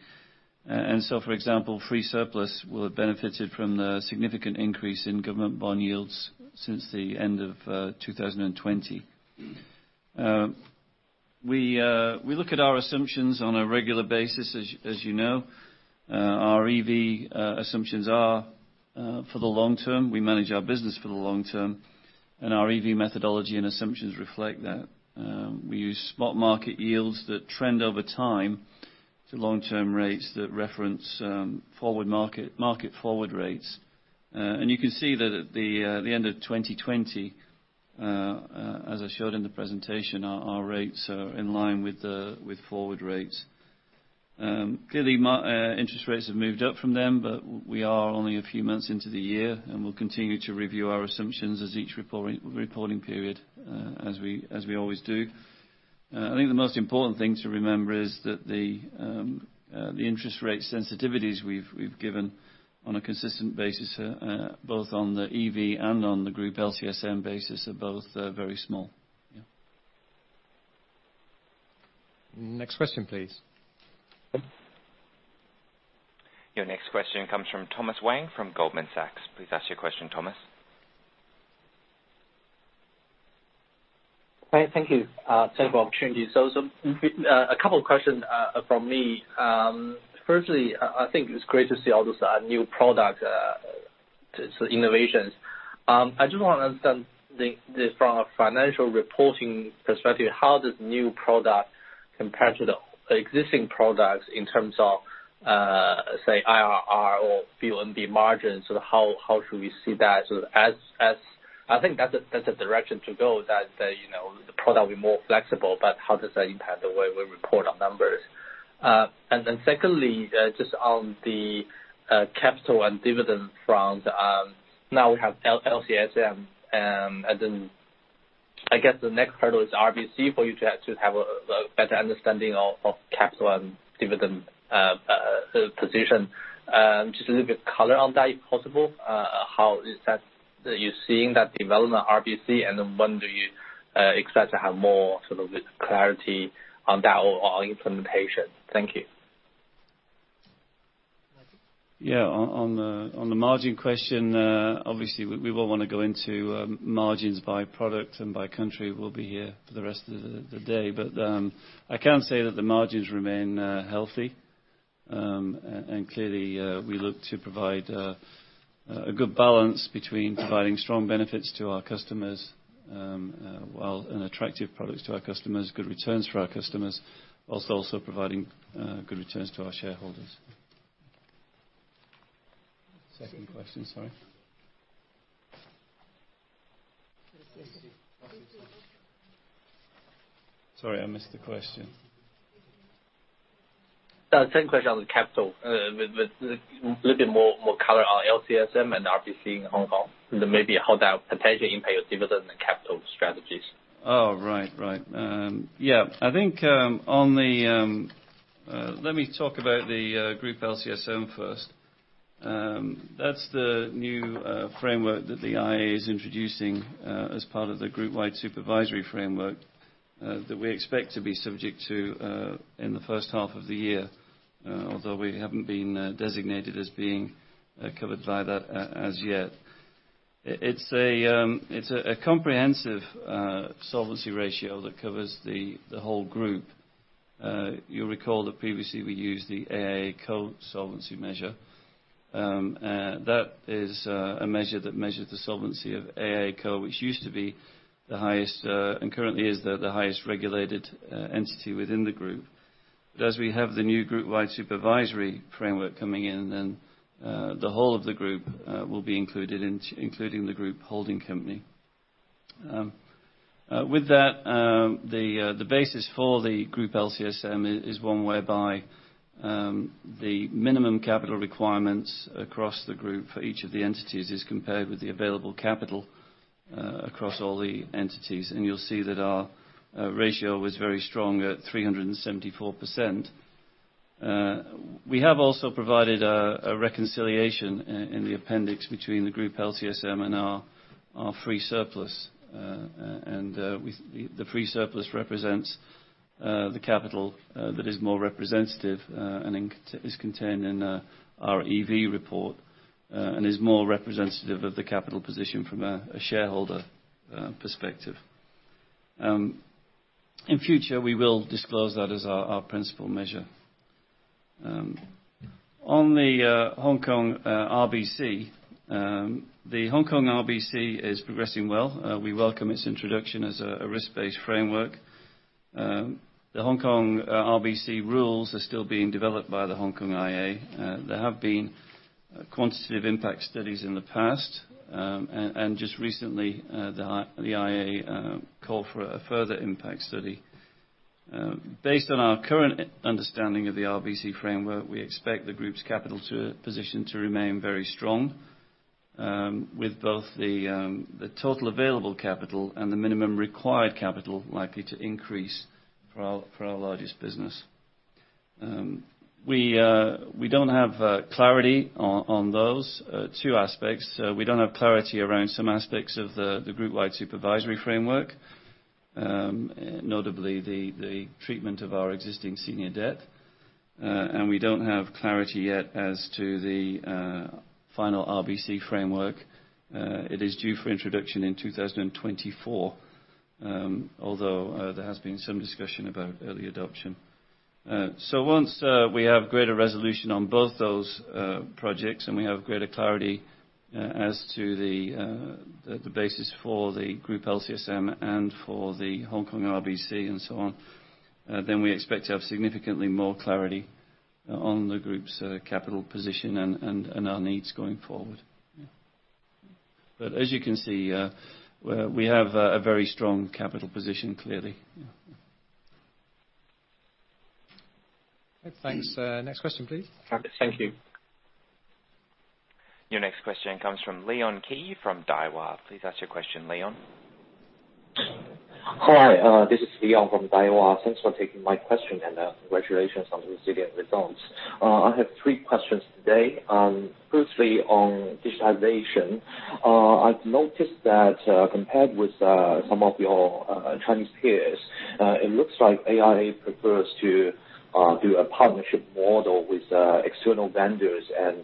So, for example, free surplus will have benefited from the significant increase in government bond yields since the end of 2020. We look at our assumptions on a regular basis, as you know. Our EV assumptions are for the long term. We manage our business for the long term, and our EV methodology and assumptions reflect that. We use spot market yields that trend over time to long-term rates that reference market forward rates. You can see that at the end of 2020, as I showed in the presentation, our rates are in line with forward rates. Clearly, interest rates have moved up from them, but we are only a few months into the year, and we'll continue to review our assumptions as each reporting period, as we always do. I think the most important thing to remember is that the interest rate sensitivities we've given on a consistent basis both on the EV and on the group LCSM basis are both very small. Yeah. Next question, please. Your next question comes from Thomas Wang from Goldman Sachs. Please ask your question, Thomas. Thank you. Thanks for the opportunity. A couple of questions from me. Firstly, I think it's great to see all this new product innovations. I just want to understand from a financial reporting perspective, how does new product compare to the existing products in terms of, say, IRR or VONB margins? How should we see that? I think that's a direction to go that the product will be more flexible, but how does that impact the way we report our numbers? Secondly, just on the capital and dividend front. We have LCSM, and then I guess the next hurdle is RBC for you to have a better understanding of capital and dividend position. Just a little bit of color on that, if possible. How is that you're seeing that development at RBC, and then when do you expect to have more sort of clarity on that or on implementation? Thank you. Yeah. On the margin question, obviously we won't want to go into margins by product and by country. We'll be here for the rest of the day. I can say that the margins remain healthy. Clearly, we look to provide a good balance between providing strong benefits to our customers while and attractive products to our customers, good returns for our customers, whilst also providing good returns to our shareholders. Second question. Sorry. Sorry, I missed the question. The second question on the capital, with a little bit more color on LCSM and RBC in Hong Kong, and then maybe how that potentially impact your dividend and capital strategies. Oh, right. Yeah. Let me talk about the group LCSM first. That's the new framework that the AIA is introducing as part of the group-wide supervisory framework that we expect to be subject to in the first half of the year. We haven't been designated as being covered by that as yet. It's a comprehensive solvency ratio that covers the whole group. You'll recall that previously we used the AIA Co. Solvency measure. That is a measure that measures the solvency of AIA Co., which used to be the highest, and currently is the highest regulated entity within the group. As we have the new group-wide supervisory framework coming in, the whole of the group will be included, including the group holding company. The basis for the group LCSM is one whereby the minimum capital requirements across the group for each of the entities is compared with the available capital across all the entities. You'll see that our ratio was very strong at 374%. We have also provided a reconciliation in the appendix between the group LCSM and our free surplus. The free surplus represents the capital that is more representative, and is contained in our EV report, and is more representative of the capital position from a shareholder perspective. In future, we will disclose that as our principal measure. On the Hong Kong RBC. The Hong Kong RBC is progressing well. We welcome its introduction as a risk-based framework. The Hong Kong RBC rules are still being developed by the Hong Kong IA. There have been quantitative impact studies in the past, and just recently, the AIA called for a further impact study. Based on our current understanding of the RBC framework, we expect the group's capital position to remain very strong, with both the total available capital and the minimum required capital likely to increase for our largest business. We don't have clarity on those two aspects. We don't have clarity around some aspects of the group-wide supervisory framework, notably the treatment of our existing senior debt. We don't have clarity yet as to the final RBC framework. It is due for introduction in 2024, although there has been some discussion about early adoption. Once we have greater resolution on both those projects, and we have greater clarity as to the basis for the group LCSM and for the Hong Kong RBC and so on, then we expect to have significantly more clarity on the group's capital position and our needs going forward. As you can see, we have a very strong capital position, clearly. Thanks. Next question, please. Thank you. Your next question comes from Leon Qi from Daiwa. Please ask your question, Leon. Hi, this is Leon from Daiwa. Thanks for taking my question, and congratulations on the resilient results. I have three questions today. Firstly, on digitization. I've noticed that compared with some of your Chinese peers, it looks like AIA prefers to do a partnership model with external vendors and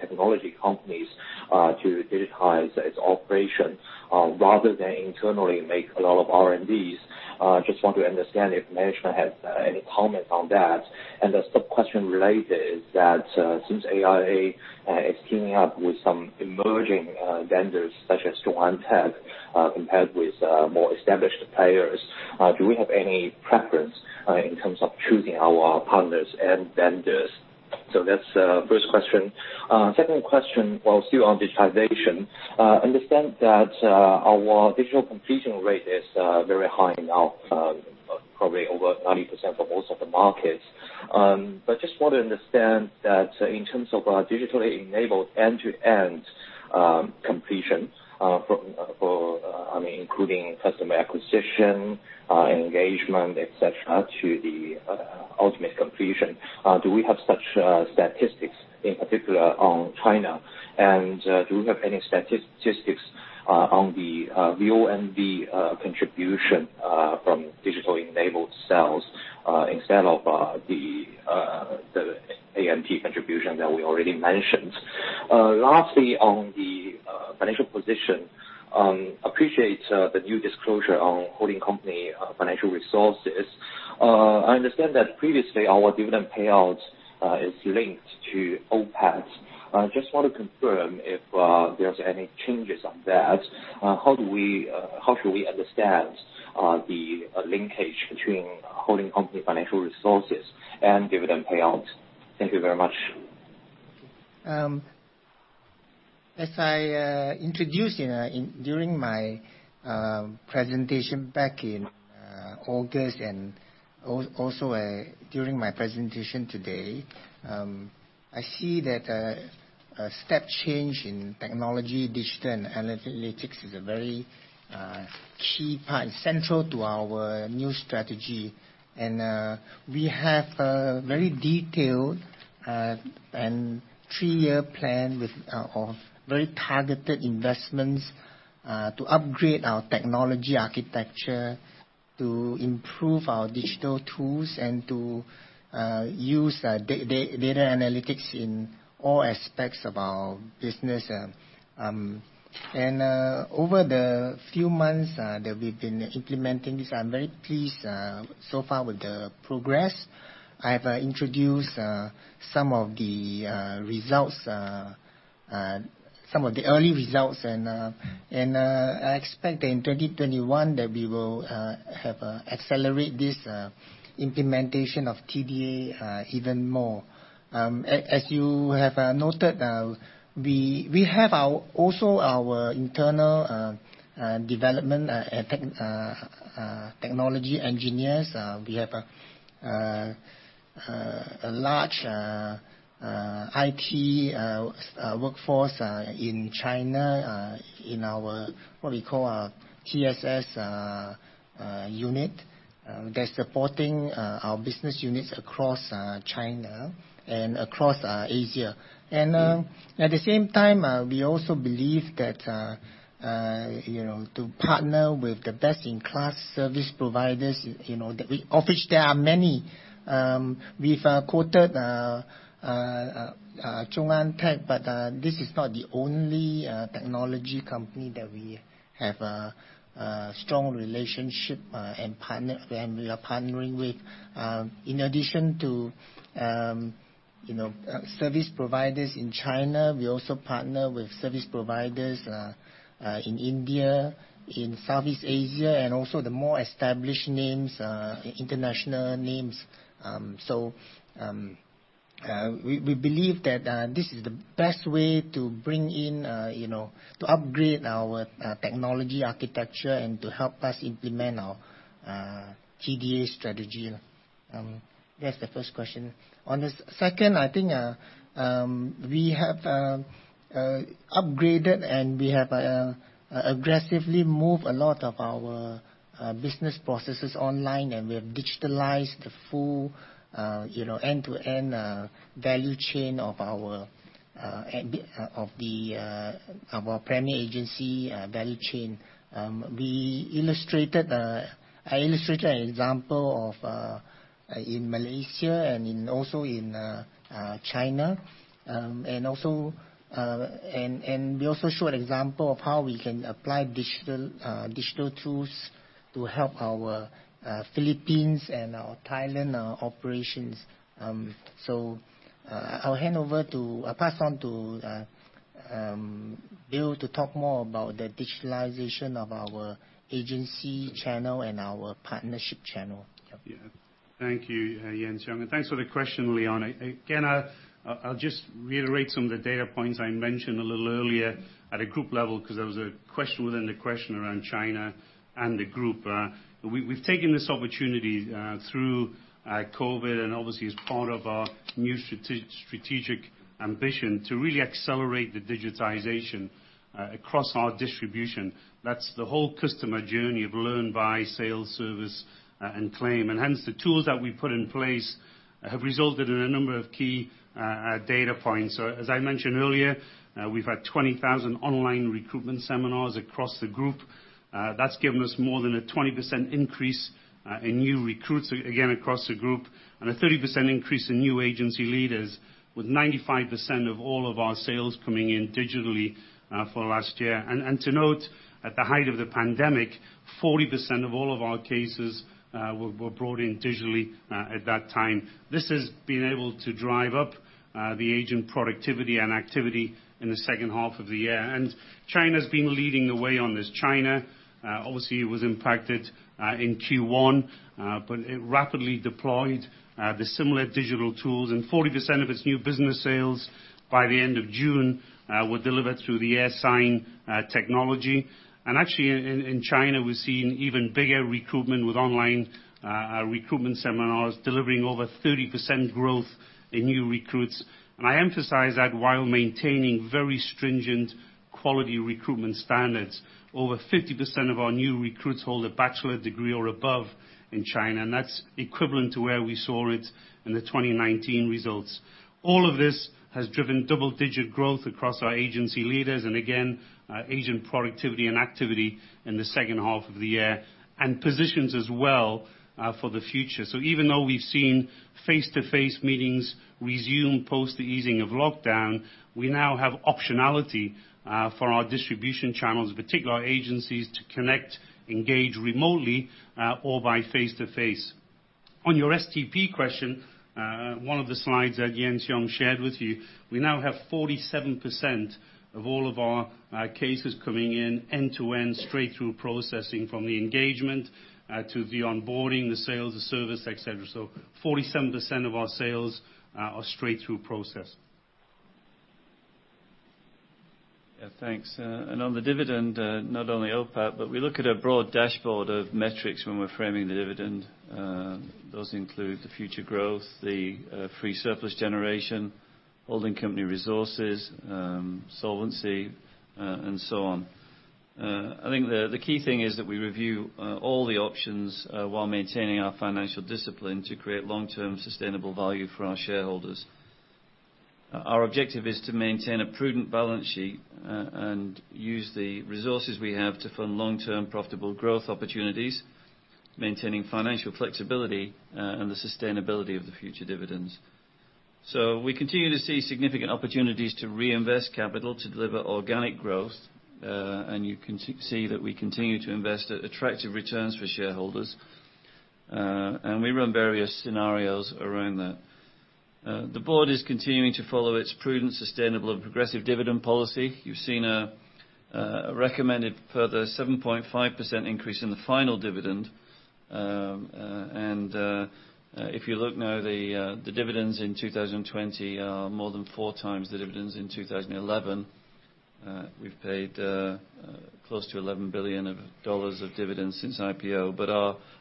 technology companies to digitize its operations, rather than internally make a lot of R&Ds. Just want to understand if management has any comment on that. The sub-question related is that since AIA is teaming up with some emerging vendors such as ZhongAn Tech, compared with more established players, do we have any preference in terms of choosing our partners and vendors? That's the first question. Second question, while still on digitization. I understand that our digital completion rate is very high now, probably over 90% for most of the markets. Just want to understand that in terms of our digitally enabled end-to-end completion including customer acquisition, engagement, et cetera, to the ultimate completion, do we have such statistics, in particular on China? Do we have any statistics on the VONB contribution from digitally enabled sales instead of the ANP contribution that we already mentioned? Lastly, on the financial position. Appreciate the new disclosure on holding company financial resources. I understand that previously our dividend payout is linked to OPAT. I just want to confirm if there is any changes on that. How should we understand the linkage between holding company financial resources and dividend payouts? Thank you very much. As I introduced during my presentation back in August, also during my presentation today, I see that a step change in technology, digital, and analytics is a very key part, essential to our new strategy. We have a very detailed and three-year plan of very targeted investments to upgrade our technology architecture, to improve our digital tools and to use data analytics in all aspects of our business. Over the few months that we've been implementing this, I'm very pleased so far with the progress. I've introduced some of the early results, and I expect in 2021 that we will have accelerate this implementation of TDA even more. As you have noted, we have also our internal development technology engineers. We have a large IT workforce in China in our, what we call our TSS unit. They're supporting our business units across China and across Asia. At the same time, we also believe that to partner with the best-in-class service providers, of which there are many. We've quoted ZhongAn Tech, but this is not the only technology company that we have a strong relationship and we are partnering with. In addition to service providers in China, we also partner with service providers in India, in Southeast Asia, and also the more established names, international names. We believe that this is the best way to upgrade our technology architecture and to help us implement our TDA strategy. That's the first question. On the second, I think we have upgraded, and we have aggressively moved a lot of our business processes online, and we have digitalized the full end-to-end value chain of our premier agency value chain. I illustrated an example in Malaysia and also in China. We also showed example of how we can apply digital tools to help our Philippines and our Thailand operations. I'll pass on to Bill to talk more about the digitalization of our agency channel and our partnership channel. Yeah. Thank you, Yuan Siong. Thanks for the question, Leon. Again, I'll just reiterate some of the data points I mentioned a little earlier at a group level because there was a question within the question around China and the group. We've taken this opportunity through COVID, and obviously as part of our new strategic ambition to really accelerate the digitization across our distribution. That's the whole customer journey of learn, buy, sales, service, and claim. Hence, the tools that we've put in place have resulted in a number of key data points. As I mentioned earlier, we've had 20,000 online recruitment seminars across the group. That's given us more than a 20% increase in new recruits, again, across the group, and a 30% increase in new agency leaders with 95% of all of our sales coming in digitally for last year. To note, at the height of the pandemic, 40% of all of our cases were brought in digitally at that time. This has been able to drive up the agent productivity and activity in the second half of the year. China's been leading the way on this. China, obviously, was impacted in Q1, but it rapidly deployed the similar digital tools. 40% of its new business sales by the end of June were delivered through the AIA iSign technology. Actually, in China, we're seeing even bigger recruitment with online recruitment seminars delivering over 30% growth in new recruits. I emphasize that while maintaining very stringent quality recruitment standards. Over 50% of our new recruits hold a bachelor degree or above in China, and that's equivalent to where we saw it in the 2019 results. All of this has driven double-digit growth across our agency leaders, and again, agent productivity and activity in the second half of the year, and positions as well for the future. Even though we've seen face-to-face meetings resume post the easing of lockdown, we now have optionality for our distribution channels, in particular our agencies, to connect, engage remotely or by face-to-face. On your STP question, one of the slides that Yuan Siong shared with you, we now have 47% of all of our cases coming in end-to-end, straight-through processing from the engagement to the onboarding, the sales, the service, et cetera. 47% of our sales are straight-through process. Yeah, thanks. On the dividend, not only OPAT, but we look at a broad dashboard of metrics when we're framing the dividend. Those include the future growth, the free surplus generation, holding company resources, solvency, and so on. I think the key thing is that we review all the options while maintaining our financial discipline to create long-term sustainable value for our shareholders. Our objective is to maintain a prudent balance sheet and use the resources we have to fund long-term profitable growth opportunities, maintaining financial flexibility and the sustainability of the future dividends. We continue to see significant opportunities to reinvest capital to deliver organic growth. You can see that we continue to invest at attractive returns for shareholders. We run various scenarios around that. The board is continuing to follow its prudent, sustainable, and progressive dividend policy. You've seen a recommended further 7.5% increase in the final dividend. If you look now, the dividends in 2020 are more than four times the dividends in 2011. We've paid close to 11 billion dollars of dividends since IPO.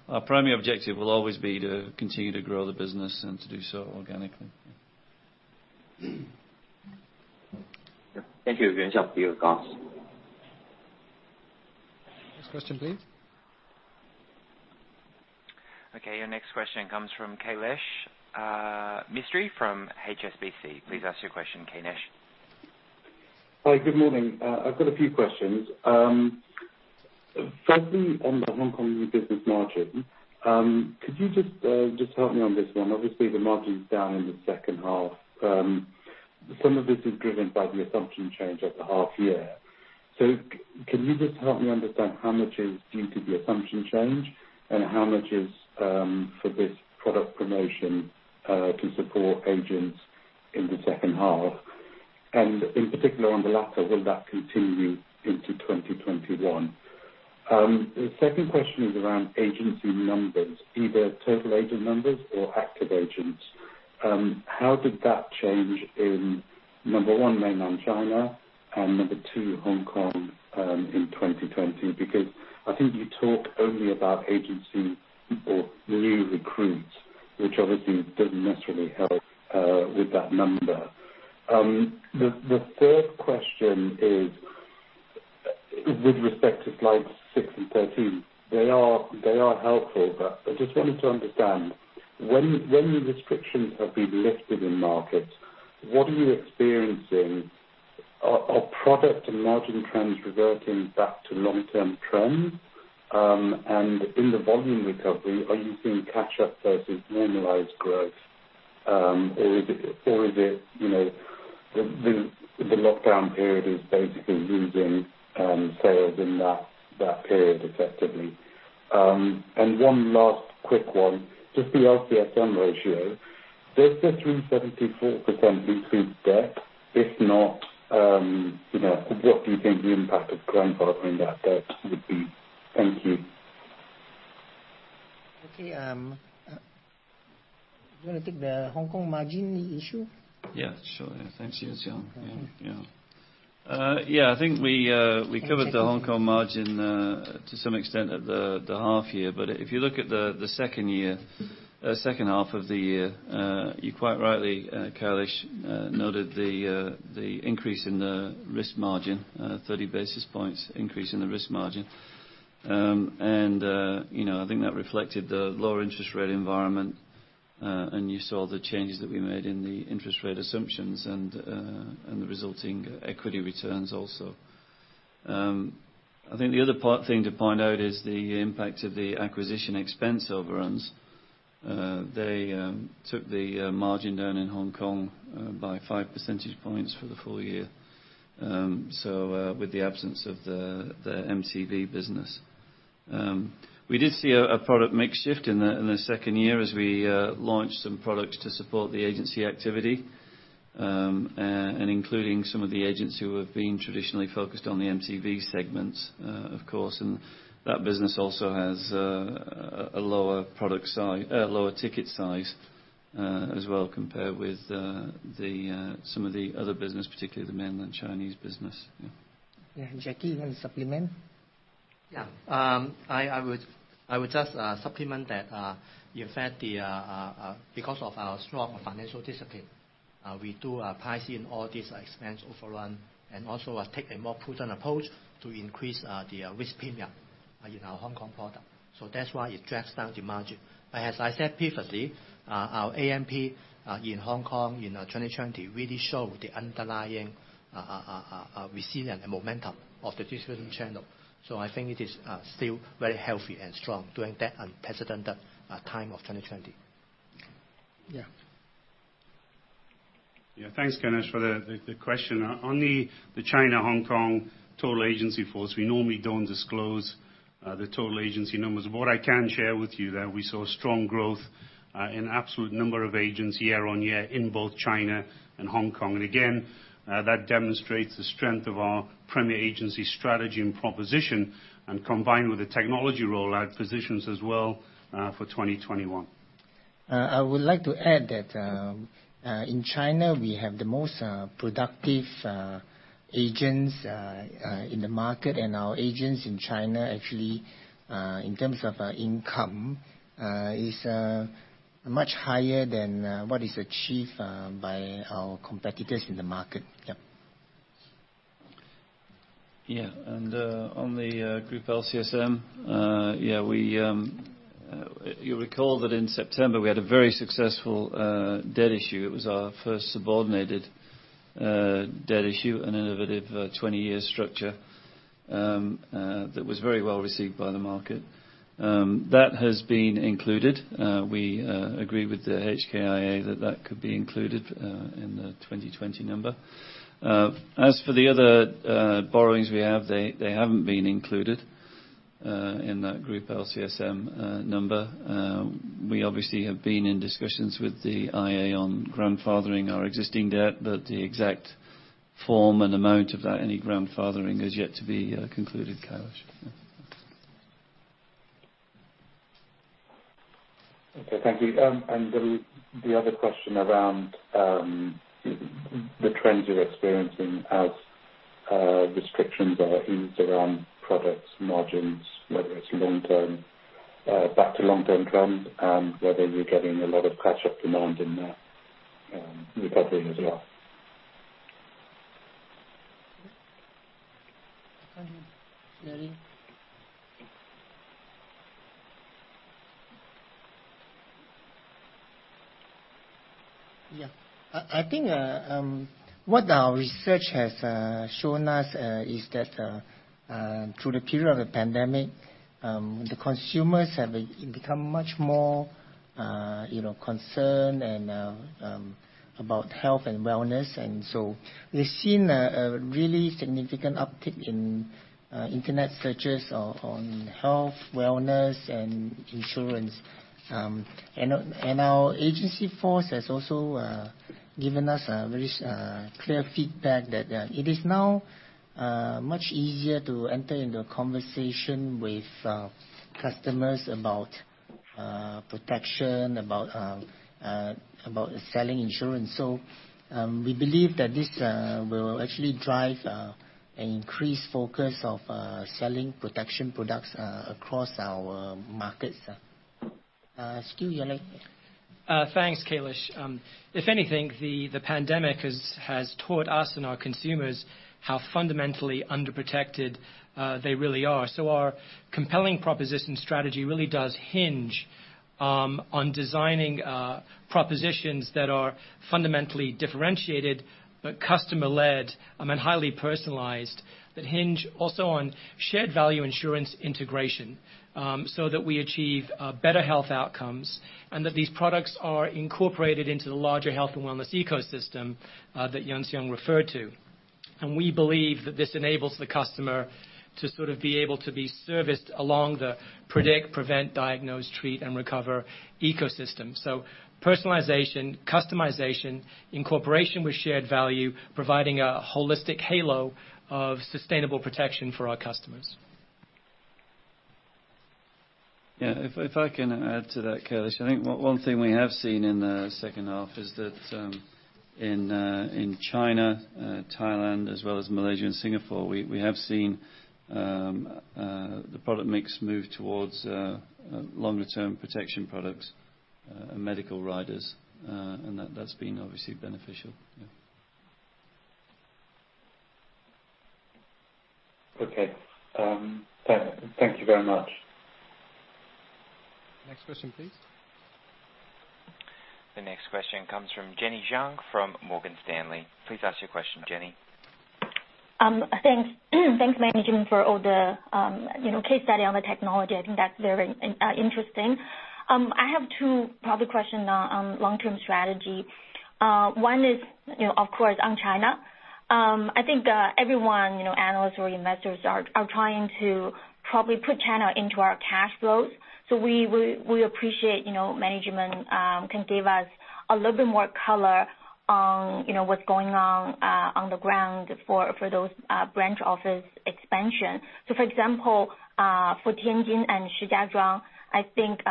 Our primary objective will always be to continue to grow the business and to do so organically. Thank you. Next question, please. Okay. Your next question comes from Kailesh Mistry from HSBC. Please ask your question, Kailesh. Hi. Good morning. I've got a few questions. Firstly, on the Hong Kong business margin, could you just help me on this one? Obviously, the margin's down in the second half. Some of this is driven by the assumption change at the half year. Can you just help me understand how much is due to the assumption change, and how much is for this product promotion to support agents in the second half? In particular, on the latter, will that continue into 2021? The second question is around agency numbers, either total agent numbers or active agents. How did that change in, number one, Mainland China and number two, Hong Kong, in 2020? I think you talk only about agency or new recruits, which obviously doesn't necessarily help with that number. The third question is with respect to slides six to 13. They are helpful, but I just wanted to understand, when the restrictions have been lifted in markets, what are you experiencing? Are product and margin trends reverting back to long-term trends? In the volume recovery, are you seeing catch-up versus normalized growth? Is it the lockdown period is basically losing sales in that period effectively? One last quick one. Just the LCSM ratio. Does the 374% include debt? If not, what do you think the impact of grandfathering that debt would be? Thank you. Okay. Do you want to take the Hong Kong margin issue? Yeah, sure. Thanks Yuan Siong. Yeah. I think we covered the Hong Kong margin to some extent at the half year. If you look at the second half of the year, you quite rightly, Kailesh, noted the increase in the risk margin, a 30 basis points increase in the risk margin. I think that reflected the lower interest rate environment. You saw the changes that we made in the interest rate assumptions and the resulting equity returns also. I think the other thing to point out is the impact of the acquisition expense overruns. They took the margin down in Hong Kong by five percentage points for the full year. With the absence of the MCV business. We did see a product mix shift in the second year as we launched some products to support the agency activity, including some of the agents who have been traditionally focused on the MCV segments, of course. That business also has a lower ticket size as well compared with some of the other business, particularly the Mainland Chinese business. Yeah. Yeah. Jacky, you want to supplement? Yeah. I would just supplement that. In fact, because of our strong financial discipline, we do price in all this expense overrun and also take a more prudent approach to increase the risk premium in our Hong Kong product. That's why it drags down the margin. As I said previously, our AMP, in Hong Kong in 2020, really showed the underlying resilient momentum of the distribution channel. I think it is still very healthy and strong during that unprecedented time of 2020. Yeah. Thanks, Kailesh, for the question. On the China Hong Kong total agency force, we normally don't disclose the total agency numbers. What I can share with you there, we saw strong growth in absolute number of agents year on year in both China and Hong Kong. Again, that demonstrates the strength of our premier agency strategy and proposition, and combined with the technology rollout positions as well for 2021. I would like to add that, in China, we have the most productive agents in the market, and our agents in China actually, in terms of income, is much higher than what is achieved by our competitors in the market. Yep. Yeah. On the Group LCSM, you'll recall that in September we had a very successful debt issue. It was our first subordinated debt issue, an innovative 20-year structure that was very well received by the market. That has been included. We agreed with the HKIA that that could be included in the 2020 number. As for the other borrowings we have, they haven't been included in that group LCSM number. We obviously have been in discussions with the AIA on grandfathering our existing debt, but the exact form and amount of any grandfathering is yet to be concluded, Kailesh. Okay, thank you. The other question around the trends you're experiencing as restrictions are eased around products, margins, whether it's back to long-term trends, and whether you're getting a lot of catch-up demand in the recovery as well? Yeah. I think what our research has shown us is that through the period of the pandemic, the consumers have become much more concerned about health and wellness. We've seen a really significant uptick in internet searches on health, wellness, and insurance. Our agency force has also given us very clear feedback that it is now much easier to enter into a conversation with customers about protection, about selling insurance. We believe that this will actually drive an increased focus of selling protection products across our markets. [Stu, Yanling]? Thanks, Kailesh. If anything, the pandemic has taught us and our consumers how fundamentally underprotected they really are. Our compelling proposition strategy really does hinge on designing propositions that are fundamentally differentiated, but customer-led and highly personalized, that hinge also on shared value insurance integration, so that we achieve better health outcomes, and that these products are incorporated into the larger health and wellness ecosystem that Yuan Siong referred to. We believe that this enables the customer to sort of be able to be serviced along the predict, prevent, diagnose, treat, and recover ecosystem. Personalization, customization, incorporation with shared value, providing a holistic halo of sustainable protection for our customers. Yeah. If I can add to that, Kailesh, I think one thing we have seen in the second half is that in China, Thailand, as well as Malaysia and Singapore, we have seen the product mix move towards longer term protection products and medical riders. That's been obviously beneficial. Yeah. Okay. Thank you very much. Next question, please. The next question comes from Jenny Zhang from Morgan Stanley. Please ask your question, Jenny. Thanks, management, for all the case study on the technology. I think that's very interesting. I have two probably question on long-term strategy. One is, of course, on China. I think everyone, analysts or investors, are trying to probably put China into our cash flows. We appreciate management can give us a little bit more color on what's going on the ground for those branch office expansion. For example, for Tianjin and Shijiazhuang, I think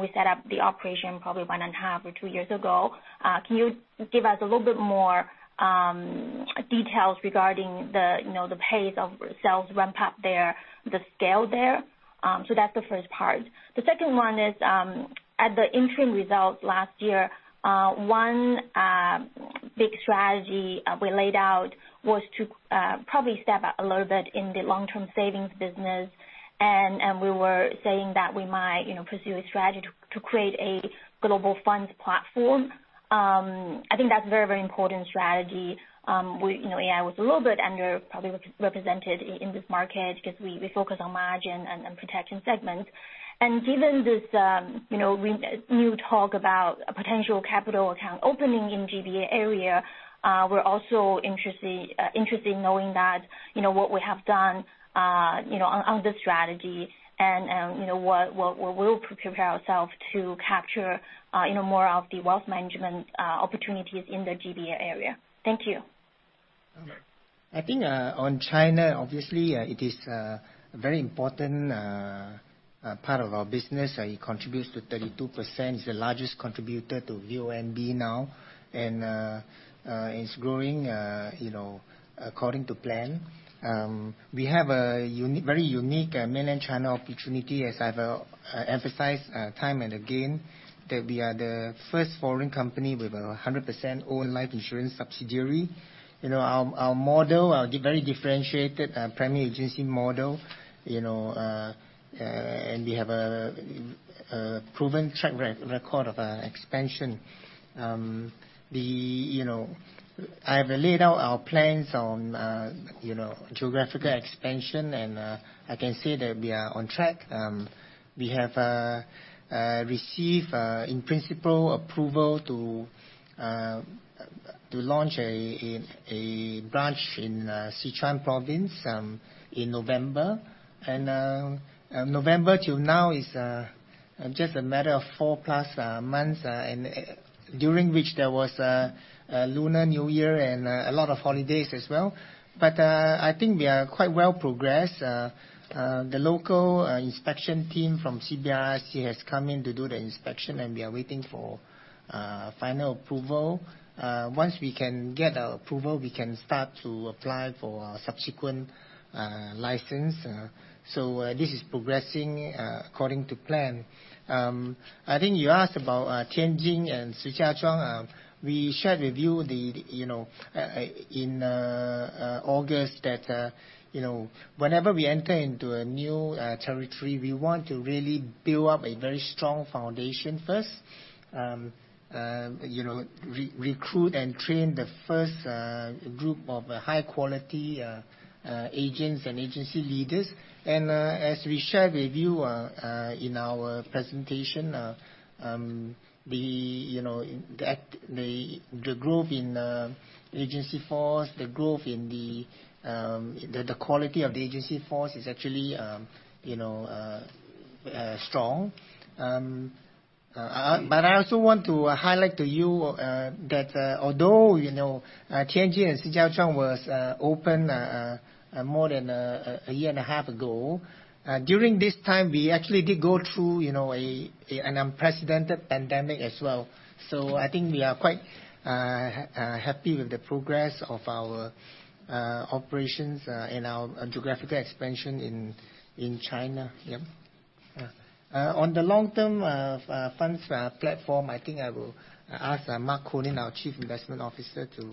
we set up the operation probably one and a half or two years ago. Can you give us a little bit more details regarding the pace of sales ramp-up there, the scale there? That's the first part. The second one is, at the interim results last year, one big strategy we laid out was to probably step up a little bit in the long-term savings business. We were saying that we might pursue a strategy to create a global funds platform. I think that's a very, very important strategy. AIA was a little bit under, probably, represented in this market because we focus on margin and protection segment. Given this new talk about a potential capital account opening in GBA area, we're also interested in knowing that what we have done on this strategy and what we'll prepare ourself to capture more of the wealth management opportunities in the GBA area. Thank you. I think on China, obviously, it is a very important part of our business. It contributes to 32%, is the largest contributor to VONB now, and it's growing according to plan. We have a very unique Mainland China opportunity, as I've emphasized time and again, that we are the first foreign company with a 100% owned life insurance subsidiary. Our model, our very differentiated primary agency model, and we have a proven track record of expansion. I've laid out our plans on geographical expansion, and I can say that we are on track. We have received, in principle, approval to launch a branch in Sichuan province in November. November till now is just a matter of four-plus months, during which there was Lunar New Year and a lot of holidays as well. I think we are quite well progressed. The local inspection team from CBIRC has come in to do the inspection, and we are waiting for final approval. Once we can get approval, we can start to apply for our subsequent license. This is progressing according to plan. I think you asked about Tianjin and Shijiazhuang. We shared with you in August that whenever we enter into a new territory, we want to really build up a very strong foundation first. Recruit and train the first group of high-quality agents and agency leaders. As we shared with you in our presentation, the growth in agency force, the growth in the quality of the agency force is actually strong. I also want to highlight to you that although Tianjin and Shijiazhuang was opened more than a year and a half ago, during this time, we actually did go through an unprecedented pandemic as well. I think we are quite happy with the progress of our operations and our geographical expansion in China. Yeah. On the long-term funds platform, I think I will ask Mark Konyn, our Chief Investment Officer, to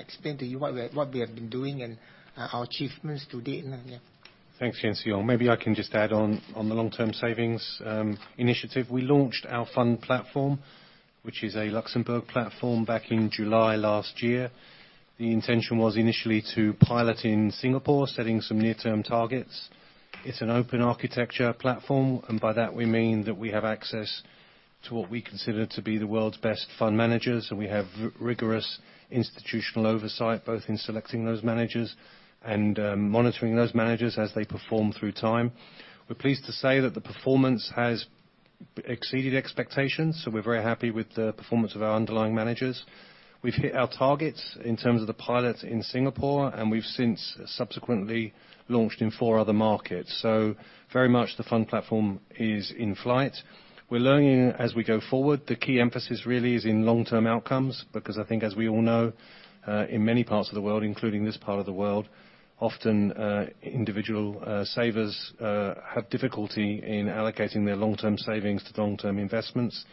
explain to you what we have been doing and our achievements to date. Yeah. Thanks, Yuan Siong. Maybe I can just add on the long-term savings initiative. We launched our fund platform, which is a Luxembourg platform, back in July last year. The intention was initially to pilot in Singapore, setting some near-term targets. It's an open architecture platform, and by that we mean that we have access to what we consider to be the world's best fund managers, and we have rigorous institutional oversight, both in selecting those managers and monitoring those managers as they perform through time. We're pleased to say that the performance has exceeded expectations, so we're very happy with the performance of our underlying managers. We've hit our targets in terms of the pilot in Singapore, and we've since subsequently launched in four other markets. Very much the fund platform is in flight. We're learning as we go forward. The key emphasis really is in long-term outcomes, because I think as we all know, in many parts of the world, including this part of the world, often individual savers have difficulty in allocating their long-term savings to long-term investments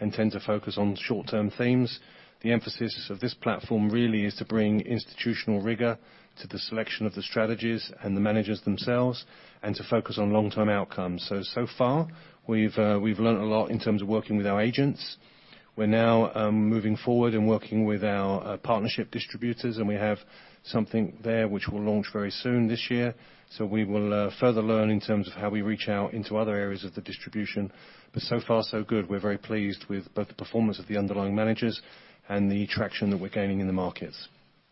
and tend to focus on short-term themes. The emphasis of this platform really is to bring institutional rigor to the selection of the strategies and the managers themselves, and to focus on long-term outcomes. So far we've learned a lot in terms of working with our agents. We're now moving forward and working with our partnership distributors, and we have something there which we'll launch very soon this year. We will further learn in terms of how we reach out into other areas of the distribution. So far, so good. We're very pleased with both the performance of the underlying managers and the traction that we're gaining in the markets.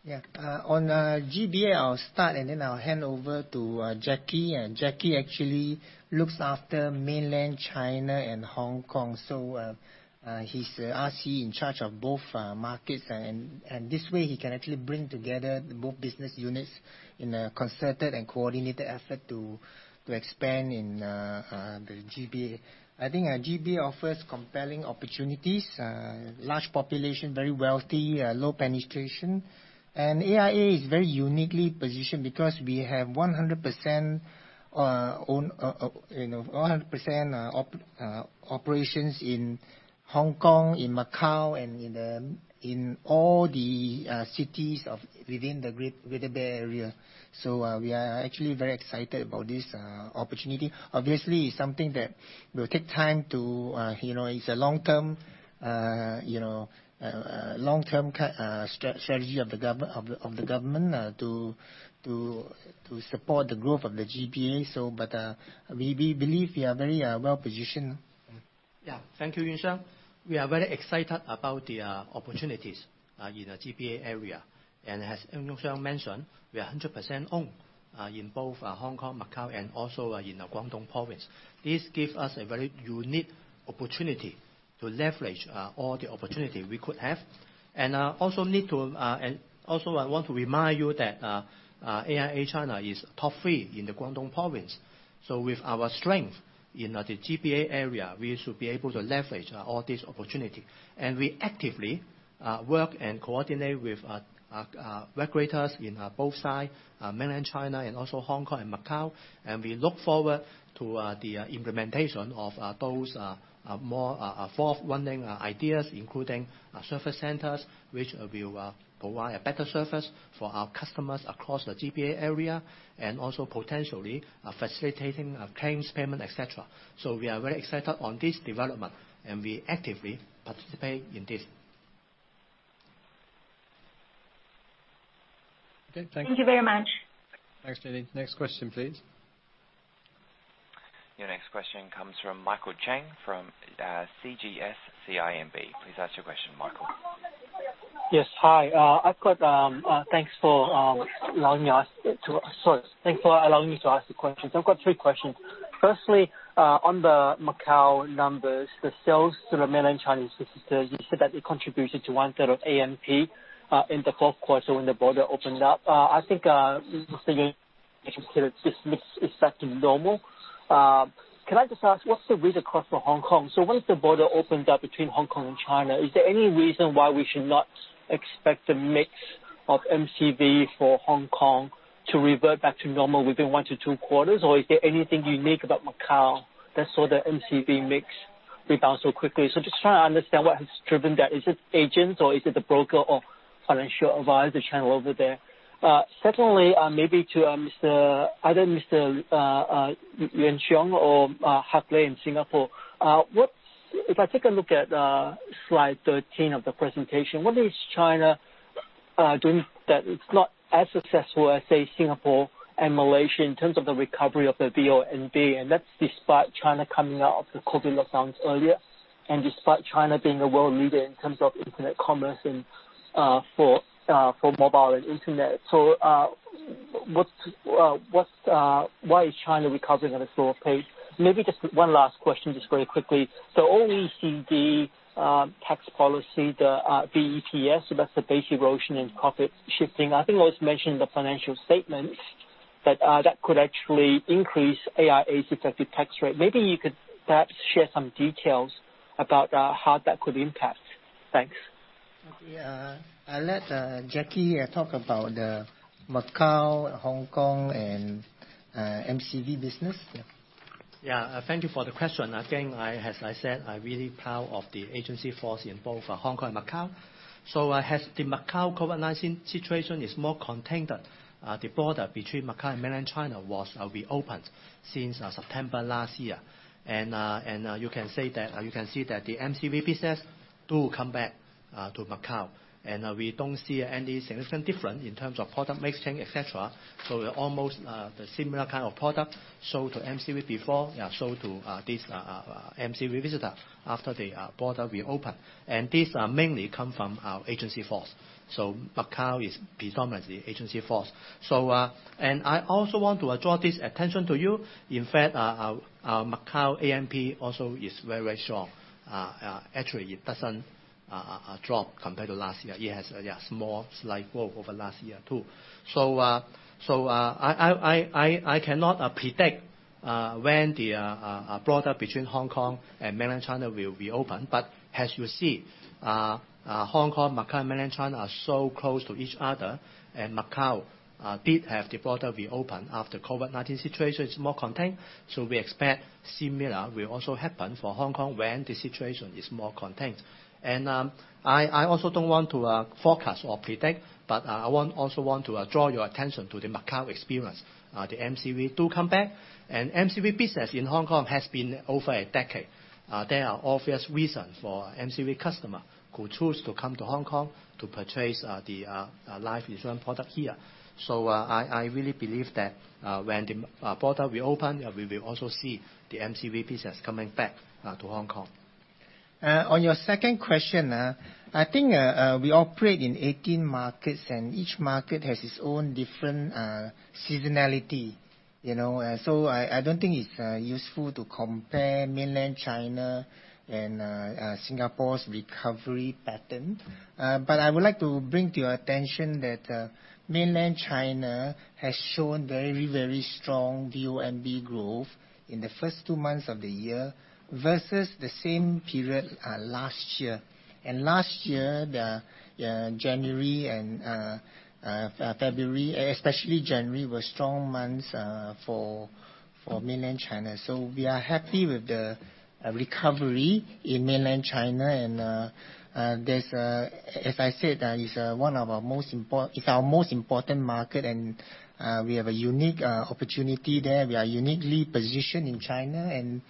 Yeah. On GBA, I'll start and then I'll hand over to Jacky. Jacky actually looks after Mainland China and Hong Kong. He's RC in charge of both markets, and this way he can actually bring together both business units in a concerted and coordinated effort to expand in the GBA. I think GBA offers compelling opportunities. Large population, very wealthy, low penetration. AIA is very uniquely positioned because we have 100% operations in Hong Kong, in Macau, and in all the cities within the Greater Bay Area. We are actually very excited about this opportunity. Obviously, it's something that will take time. It's a long-term strategy of the government to support the growth of the GBA. We believe we are very well-positioned. Thank you, Yuan Siong. We are very excited about the opportunities in the GBA area. As Yuan Siong mentioned, we are 100% owned in both Hong Kong, Macau, and also in Guangdong Province. This gives us a very unique opportunity to leverage all the opportunity we could have. Also, I want to remind you that AIA China is top three in the Guangdong Province. With our strength in the GBA area, we should be able to leverage all this opportunity. We actively work and coordinate with regulators in both sides, Mainland China and also Hong Kong and Macau. We look forward to the implementation of those more forward-running ideas, including service centers, which will provide better service for our customers across the GBA area, and also potentially facilitating claims payment, et cetera. We are very excited on this development, and we actively participate in this. Okay, thank you. Thank you very much. Thanks, Jenny. Next question, please. Your next question comes from Michael Cheng from CGS-CIMB. Please ask your question, Michael. Yes. Hi. Thanks for allowing me to ask the questions. I have got three questions. Firstly, on the Macau numbers, the sales to the Mainland Chinese Visitors, you said that it contributed to 1% of ANP in the fourth quarter when the border opened up. I think this looks exactly normal. Can I just ask, what is the read across for Hong Kong? Once the border opens up between Hong Kong and China, is there any reason why we should not expect a mix of MCV for Hong Kong to revert back to normal within one to two quarters? Or is there anything unique about Macau that saw the MCV mix rebound so quickly? Just trying to understand what has driven that. Is it agents, or is it the broker or financial advisor channel over there? Secondly, maybe to either Mr. Yuan Siong or [Hartley] in Singapore. If I take a look at slide 13 of the presentation, what is China doing that it's not as successful as, say, Singapore and Malaysia in terms of the recovery of their VONB? And that's despite China coming out of the COVID lockdowns earlier, and despite China being a world leader in terms of internet commerce and for mobile and internet. Why is China recovering at a slower pace? Maybe just one last question, just very quickly. OECD tax policy, the BEPS, so that's the base erosion and profit shifting. I think it was mentioned in the financial statements that that could actually increase AIA's effective tax rate. Maybe you could perhaps share some details about how that could impact. Thanks. Okay. I'll let Jacky talk about the Macau, Hong Kong, and MCV business. Yeah. Yeah. Thank you for the question. Again, as I said, I'm really proud of the agency force in both Hong Kong and Macau. As the Macau COVID-19 situation is more contained, the border between Macau and Mainland China was reopened since September last year. You can see that the MCV business do come back to Macau. We don't see any significant difference in terms of product mix change, et cetera. Almost the similar kind of product sold to MCV before, sold to this MCV visitor after the border reopened. These mainly come from our agency force. Macau is predominantly agency force. I also want to draw this attention to you. In fact, Macau ANP also is very strong. Actually, it doesn't drop compared to last year. It has a small slight growth over last year, too. I cannot predict when the border between Hong Kong and Mainland China will reopen. As you see, Hong Kong, Macau, and Mainland China are so close to each other, and Macau did have the border reopen after COVID-19 situation is more contained. We expect similar will also happen for Hong Kong when the situation is more contained. I also don't want to forecast or predict, but I also want to draw your attention to the Macau experience. The MCV do come back. MCV business in Hong Kong has been over a decade. There are obvious reasons for MCV customer who choose to come to Hong Kong to purchase the life insurance product here. I really believe that when the border will open, we will also see the MCV business coming back to Hong Kong. On your second question, I think we operate in 18 markets, and each market has its own different seasonality. I don't think it's useful to compare Mainland China and Singapore's recovery pattern. I would like to bring to your attention that Mainland China has shown very strong VONB growth in the first two months of the year versus the same period last year. Last year, January and February, especially January, were strong months for Mainland China. We are happy with the recovery in Mainland China. As I said, it's our most important market, and we have a unique opportunity there. We are uniquely positioned in China, and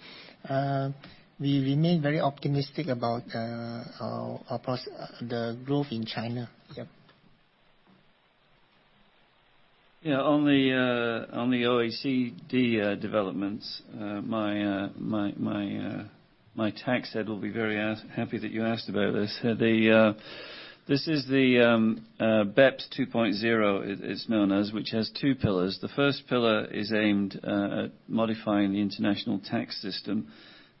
we remain very optimistic about the growth in China. Yeah, on the OECD developments, my tax head will be very happy that you asked about this. This is the BEPS 2.0, it's known as, which has two pillars. The first pillar is aimed at modifying the international tax system.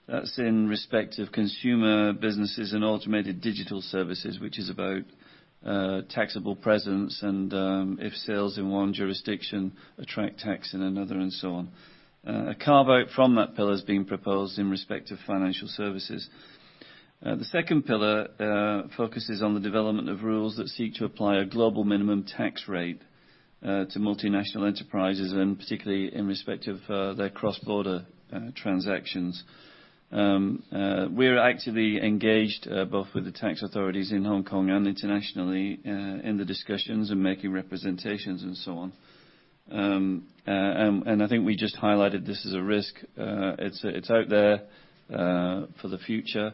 That's in respect of consumer businesses and automated digital services, which is about taxable presence and if sales in one jurisdiction attract tax in another, and so on. A carve-out from that pillar is being proposed in respect of financial services. The second pillar focuses on the development of rules that seek to apply a global minimum tax rate to multinational enterprises, and particularly in respect of their cross-border transactions. We're actively engaged both with the tax authorities in Hong Kong and internationally in the discussions and making representations, and so on. I think we just highlighted this as a risk. It's out there for the future.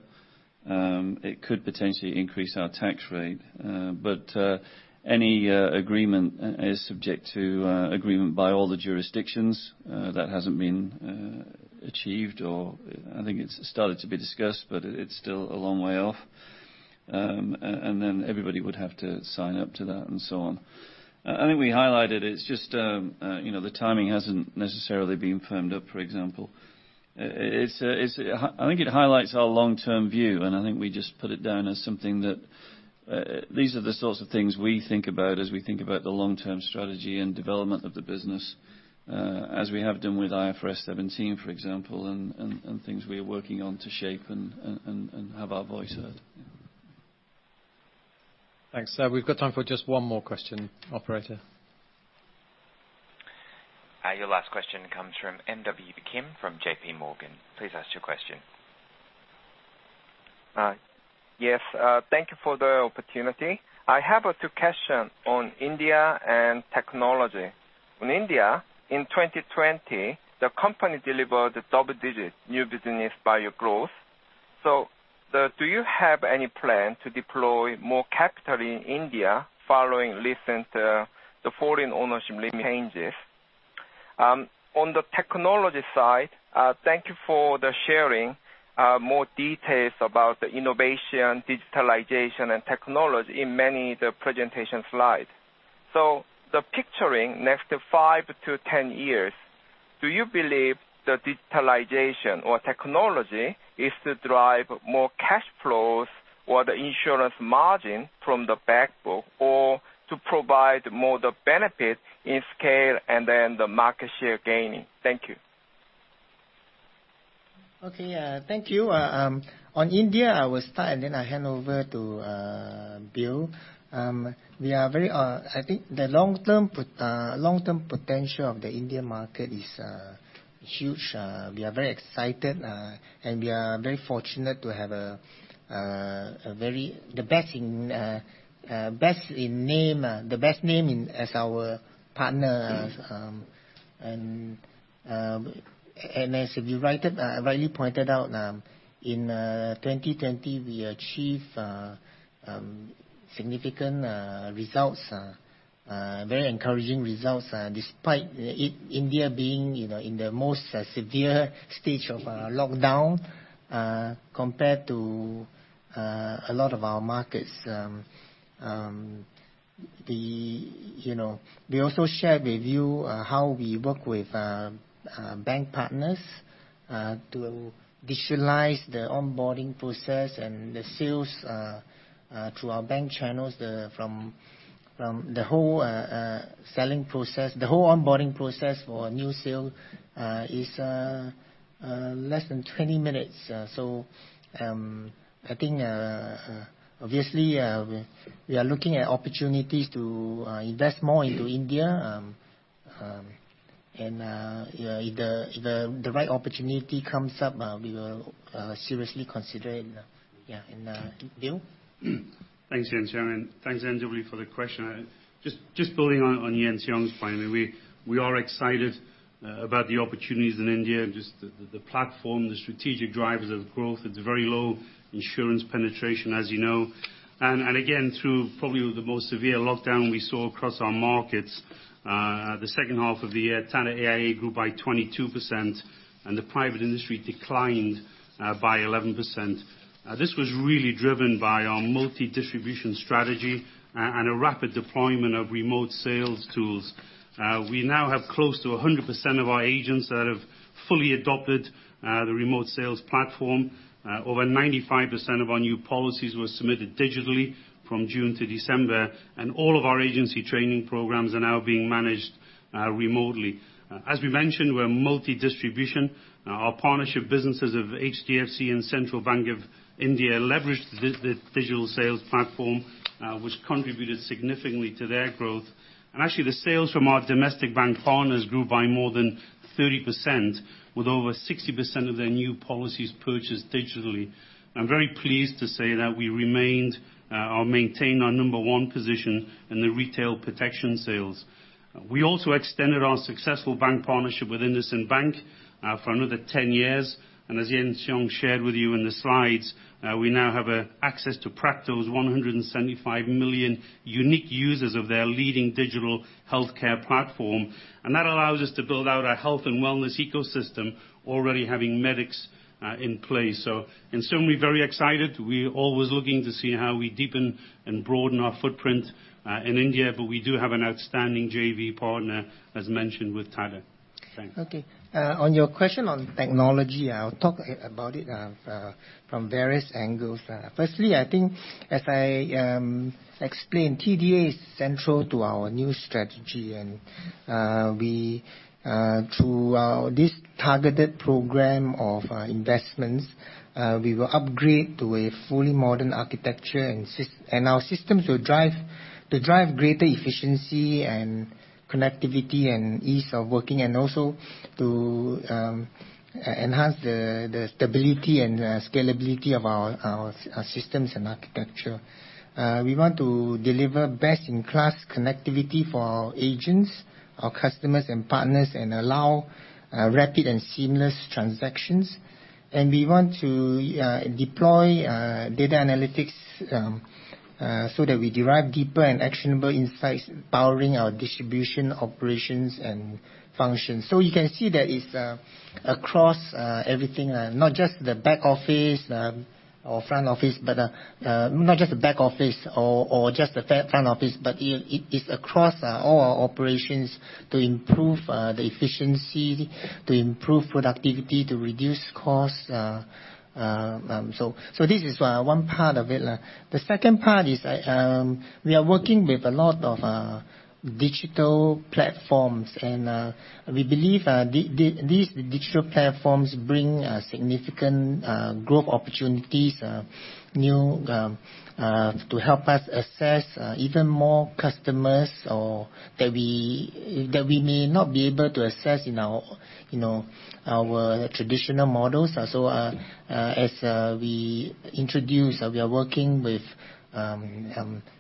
It could potentially increase our tax rate. Any agreement is subject to agreement by all the jurisdictions. That hasn't been achieved, or I think it's started to be discussed, but it's still a long way off. Everybody would have to sign up to that, and so on. I think we highlighted, it's just the timing hasn't necessarily been firmed up, for example. I think it highlights our long-term view, and I think we just put it down as something that these are the sorts of things we think about as we think about the long-term strategy and development of the business as we have done with IFRS 17, for example, and things we are working on to shape and have our voice heard. Thanks. We've got time for just one more question, operator. Your last question comes from MW Kim from JPMorgan. Please ask your question. Yes. Thank you for the opportunity. I have two questions on India and technology. On India, in 2020, the company delivered double-digit new business value growth. Do you have any plan to deploy more capital in India following recent foreign ownership limit changes? On the technology side, thank you for the sharing more details about the innovation, digitalization, and technology in many of the presentation slides. The picturing next 5-10 years, do you believe that digitalization or technology is to drive more cash flows or the insurance margin from the back book, or to provide more the benefit in scale and then the market share gaining? Thank you. Okay. Thank you. On India, I will start, then I hand over to Bill. I think the long-term potential of the Indian market is huge. We are very excited, and we are very fortunate to have the best name as our partner. As we rightly pointed out, in 2020, we achieved significant results, very encouraging results, despite India being in the most severe stage of lockdown compared to a lot of our markets. We also shared with you how we work with bank partners to visualize the onboarding process and the sales through our bank channels from the whole selling process. The whole onboarding process for a new sale is less than 20 minutes. I think, obviously, we are looking at opportunities to invest more into India. If the right opportunity comes up, we will seriously consider it. Yeah. Bill? Thanks, Yuan Siong. Thanks, MW, for the question. Just building on Yuan Siong's point, we are excited about the opportunities in India, just the platform, the strategic drivers of growth. It's very low insurance penetration, as you know. Again, through probably the most severe lockdown we saw across our markets, the second half of the year, Tata AIA grew by 22%, and the private industry declined by 11%. This was really driven by our multi-distribution strategy and a rapid deployment of remote sales tools. We now have close to 100% of our agents that have fully adopted the remote sales platform. Over 95% of our new policies were submitted digitally from June to December, and all of our agency training programs are now being managed remotely. As we mentioned, we're multi-distribution. Our partnership businesses of HDFC and Central Bank of India leveraged the digital sales platform, which contributed significantly to their growth. Actually, the sales from our domestic bank partners grew by more than 30%, with over 60% of their new policies purchased digitally. I'm very pleased to say that we remained or maintained our number one position in the retail protection sales. We also extended our successful bank partnership with IndusInd Bank for another 10 years. As Yuan Siong shared with you in the slides, we now have access to Practo's 175 million unique users of their leading digital healthcare platform. That allows us to build out our health and wellness ecosystem already having Medix in place. Certainly very excited. We're always looking to see how we deepen and broaden our footprint, in India, but we do have an outstanding JV partner, as mentioned with Tata. Thanks. Okay. On your question on technology, I'll talk about it from various angles. Firstly, I think as I explained, TDA is central to our new strategy, and through our this targeted program of investments, we will upgrade to a fully modern architecture and our systems will drive greater efficiency and connectivity and ease of working and also to enhance the stability and scalability of our systems and architecture. We want to deliver best-in-class connectivity for our agents, our customers, and partners and allow rapid and seamless transactions. We want to deploy data analytics so that we derive deeper and actionable insights powering our distribution, operations, and functions. You can see that it's across everything, not just the back office or just the front office, but it is across all our operations to improve the efficiency, to improve productivity, to reduce costs. The second part is we are working with a lot of digital platforms, and we believe these digital platforms bring significant growth opportunities to help us assess even more customers, or that we may not be able to assess in our traditional models.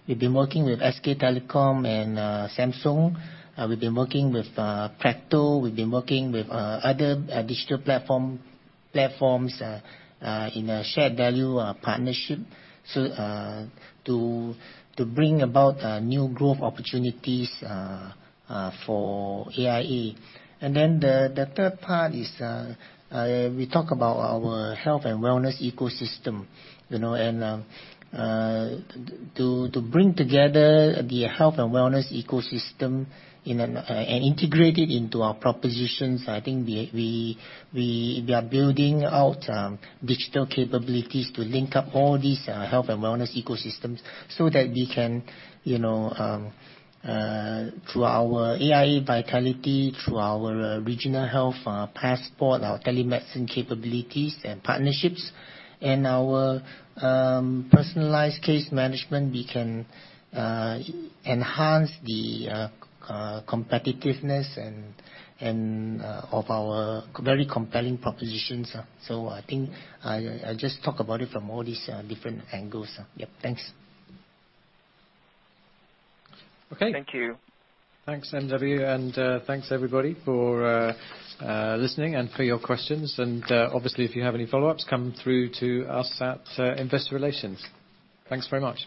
We've been working with SK Telecom and Samsung. We've been working with Practo. We've been working with other digital platforms in a shared value partnership to bring about new growth opportunities for AIA. The third part is, we talk about our health and wellness ecosystem. To bring together the health and wellness ecosystem and integrate it into our propositions, I think we are building out digital capabilities to link up all these health and wellness ecosystems so that we can through our AIA Vitality, through our AIA Regional Health Passport, our telemedicine capabilities and partnerships, and our personalized case management, we can enhance the competitiveness of our very compelling propositions. I think I just talk about it from all these different angles. Yep. Thanks. Okay. Thank you. Thanks, MW, and thanks everybody for listening and for your questions. Obviously, if you have any follow-ups, come through to us at investor relations. Thanks very much.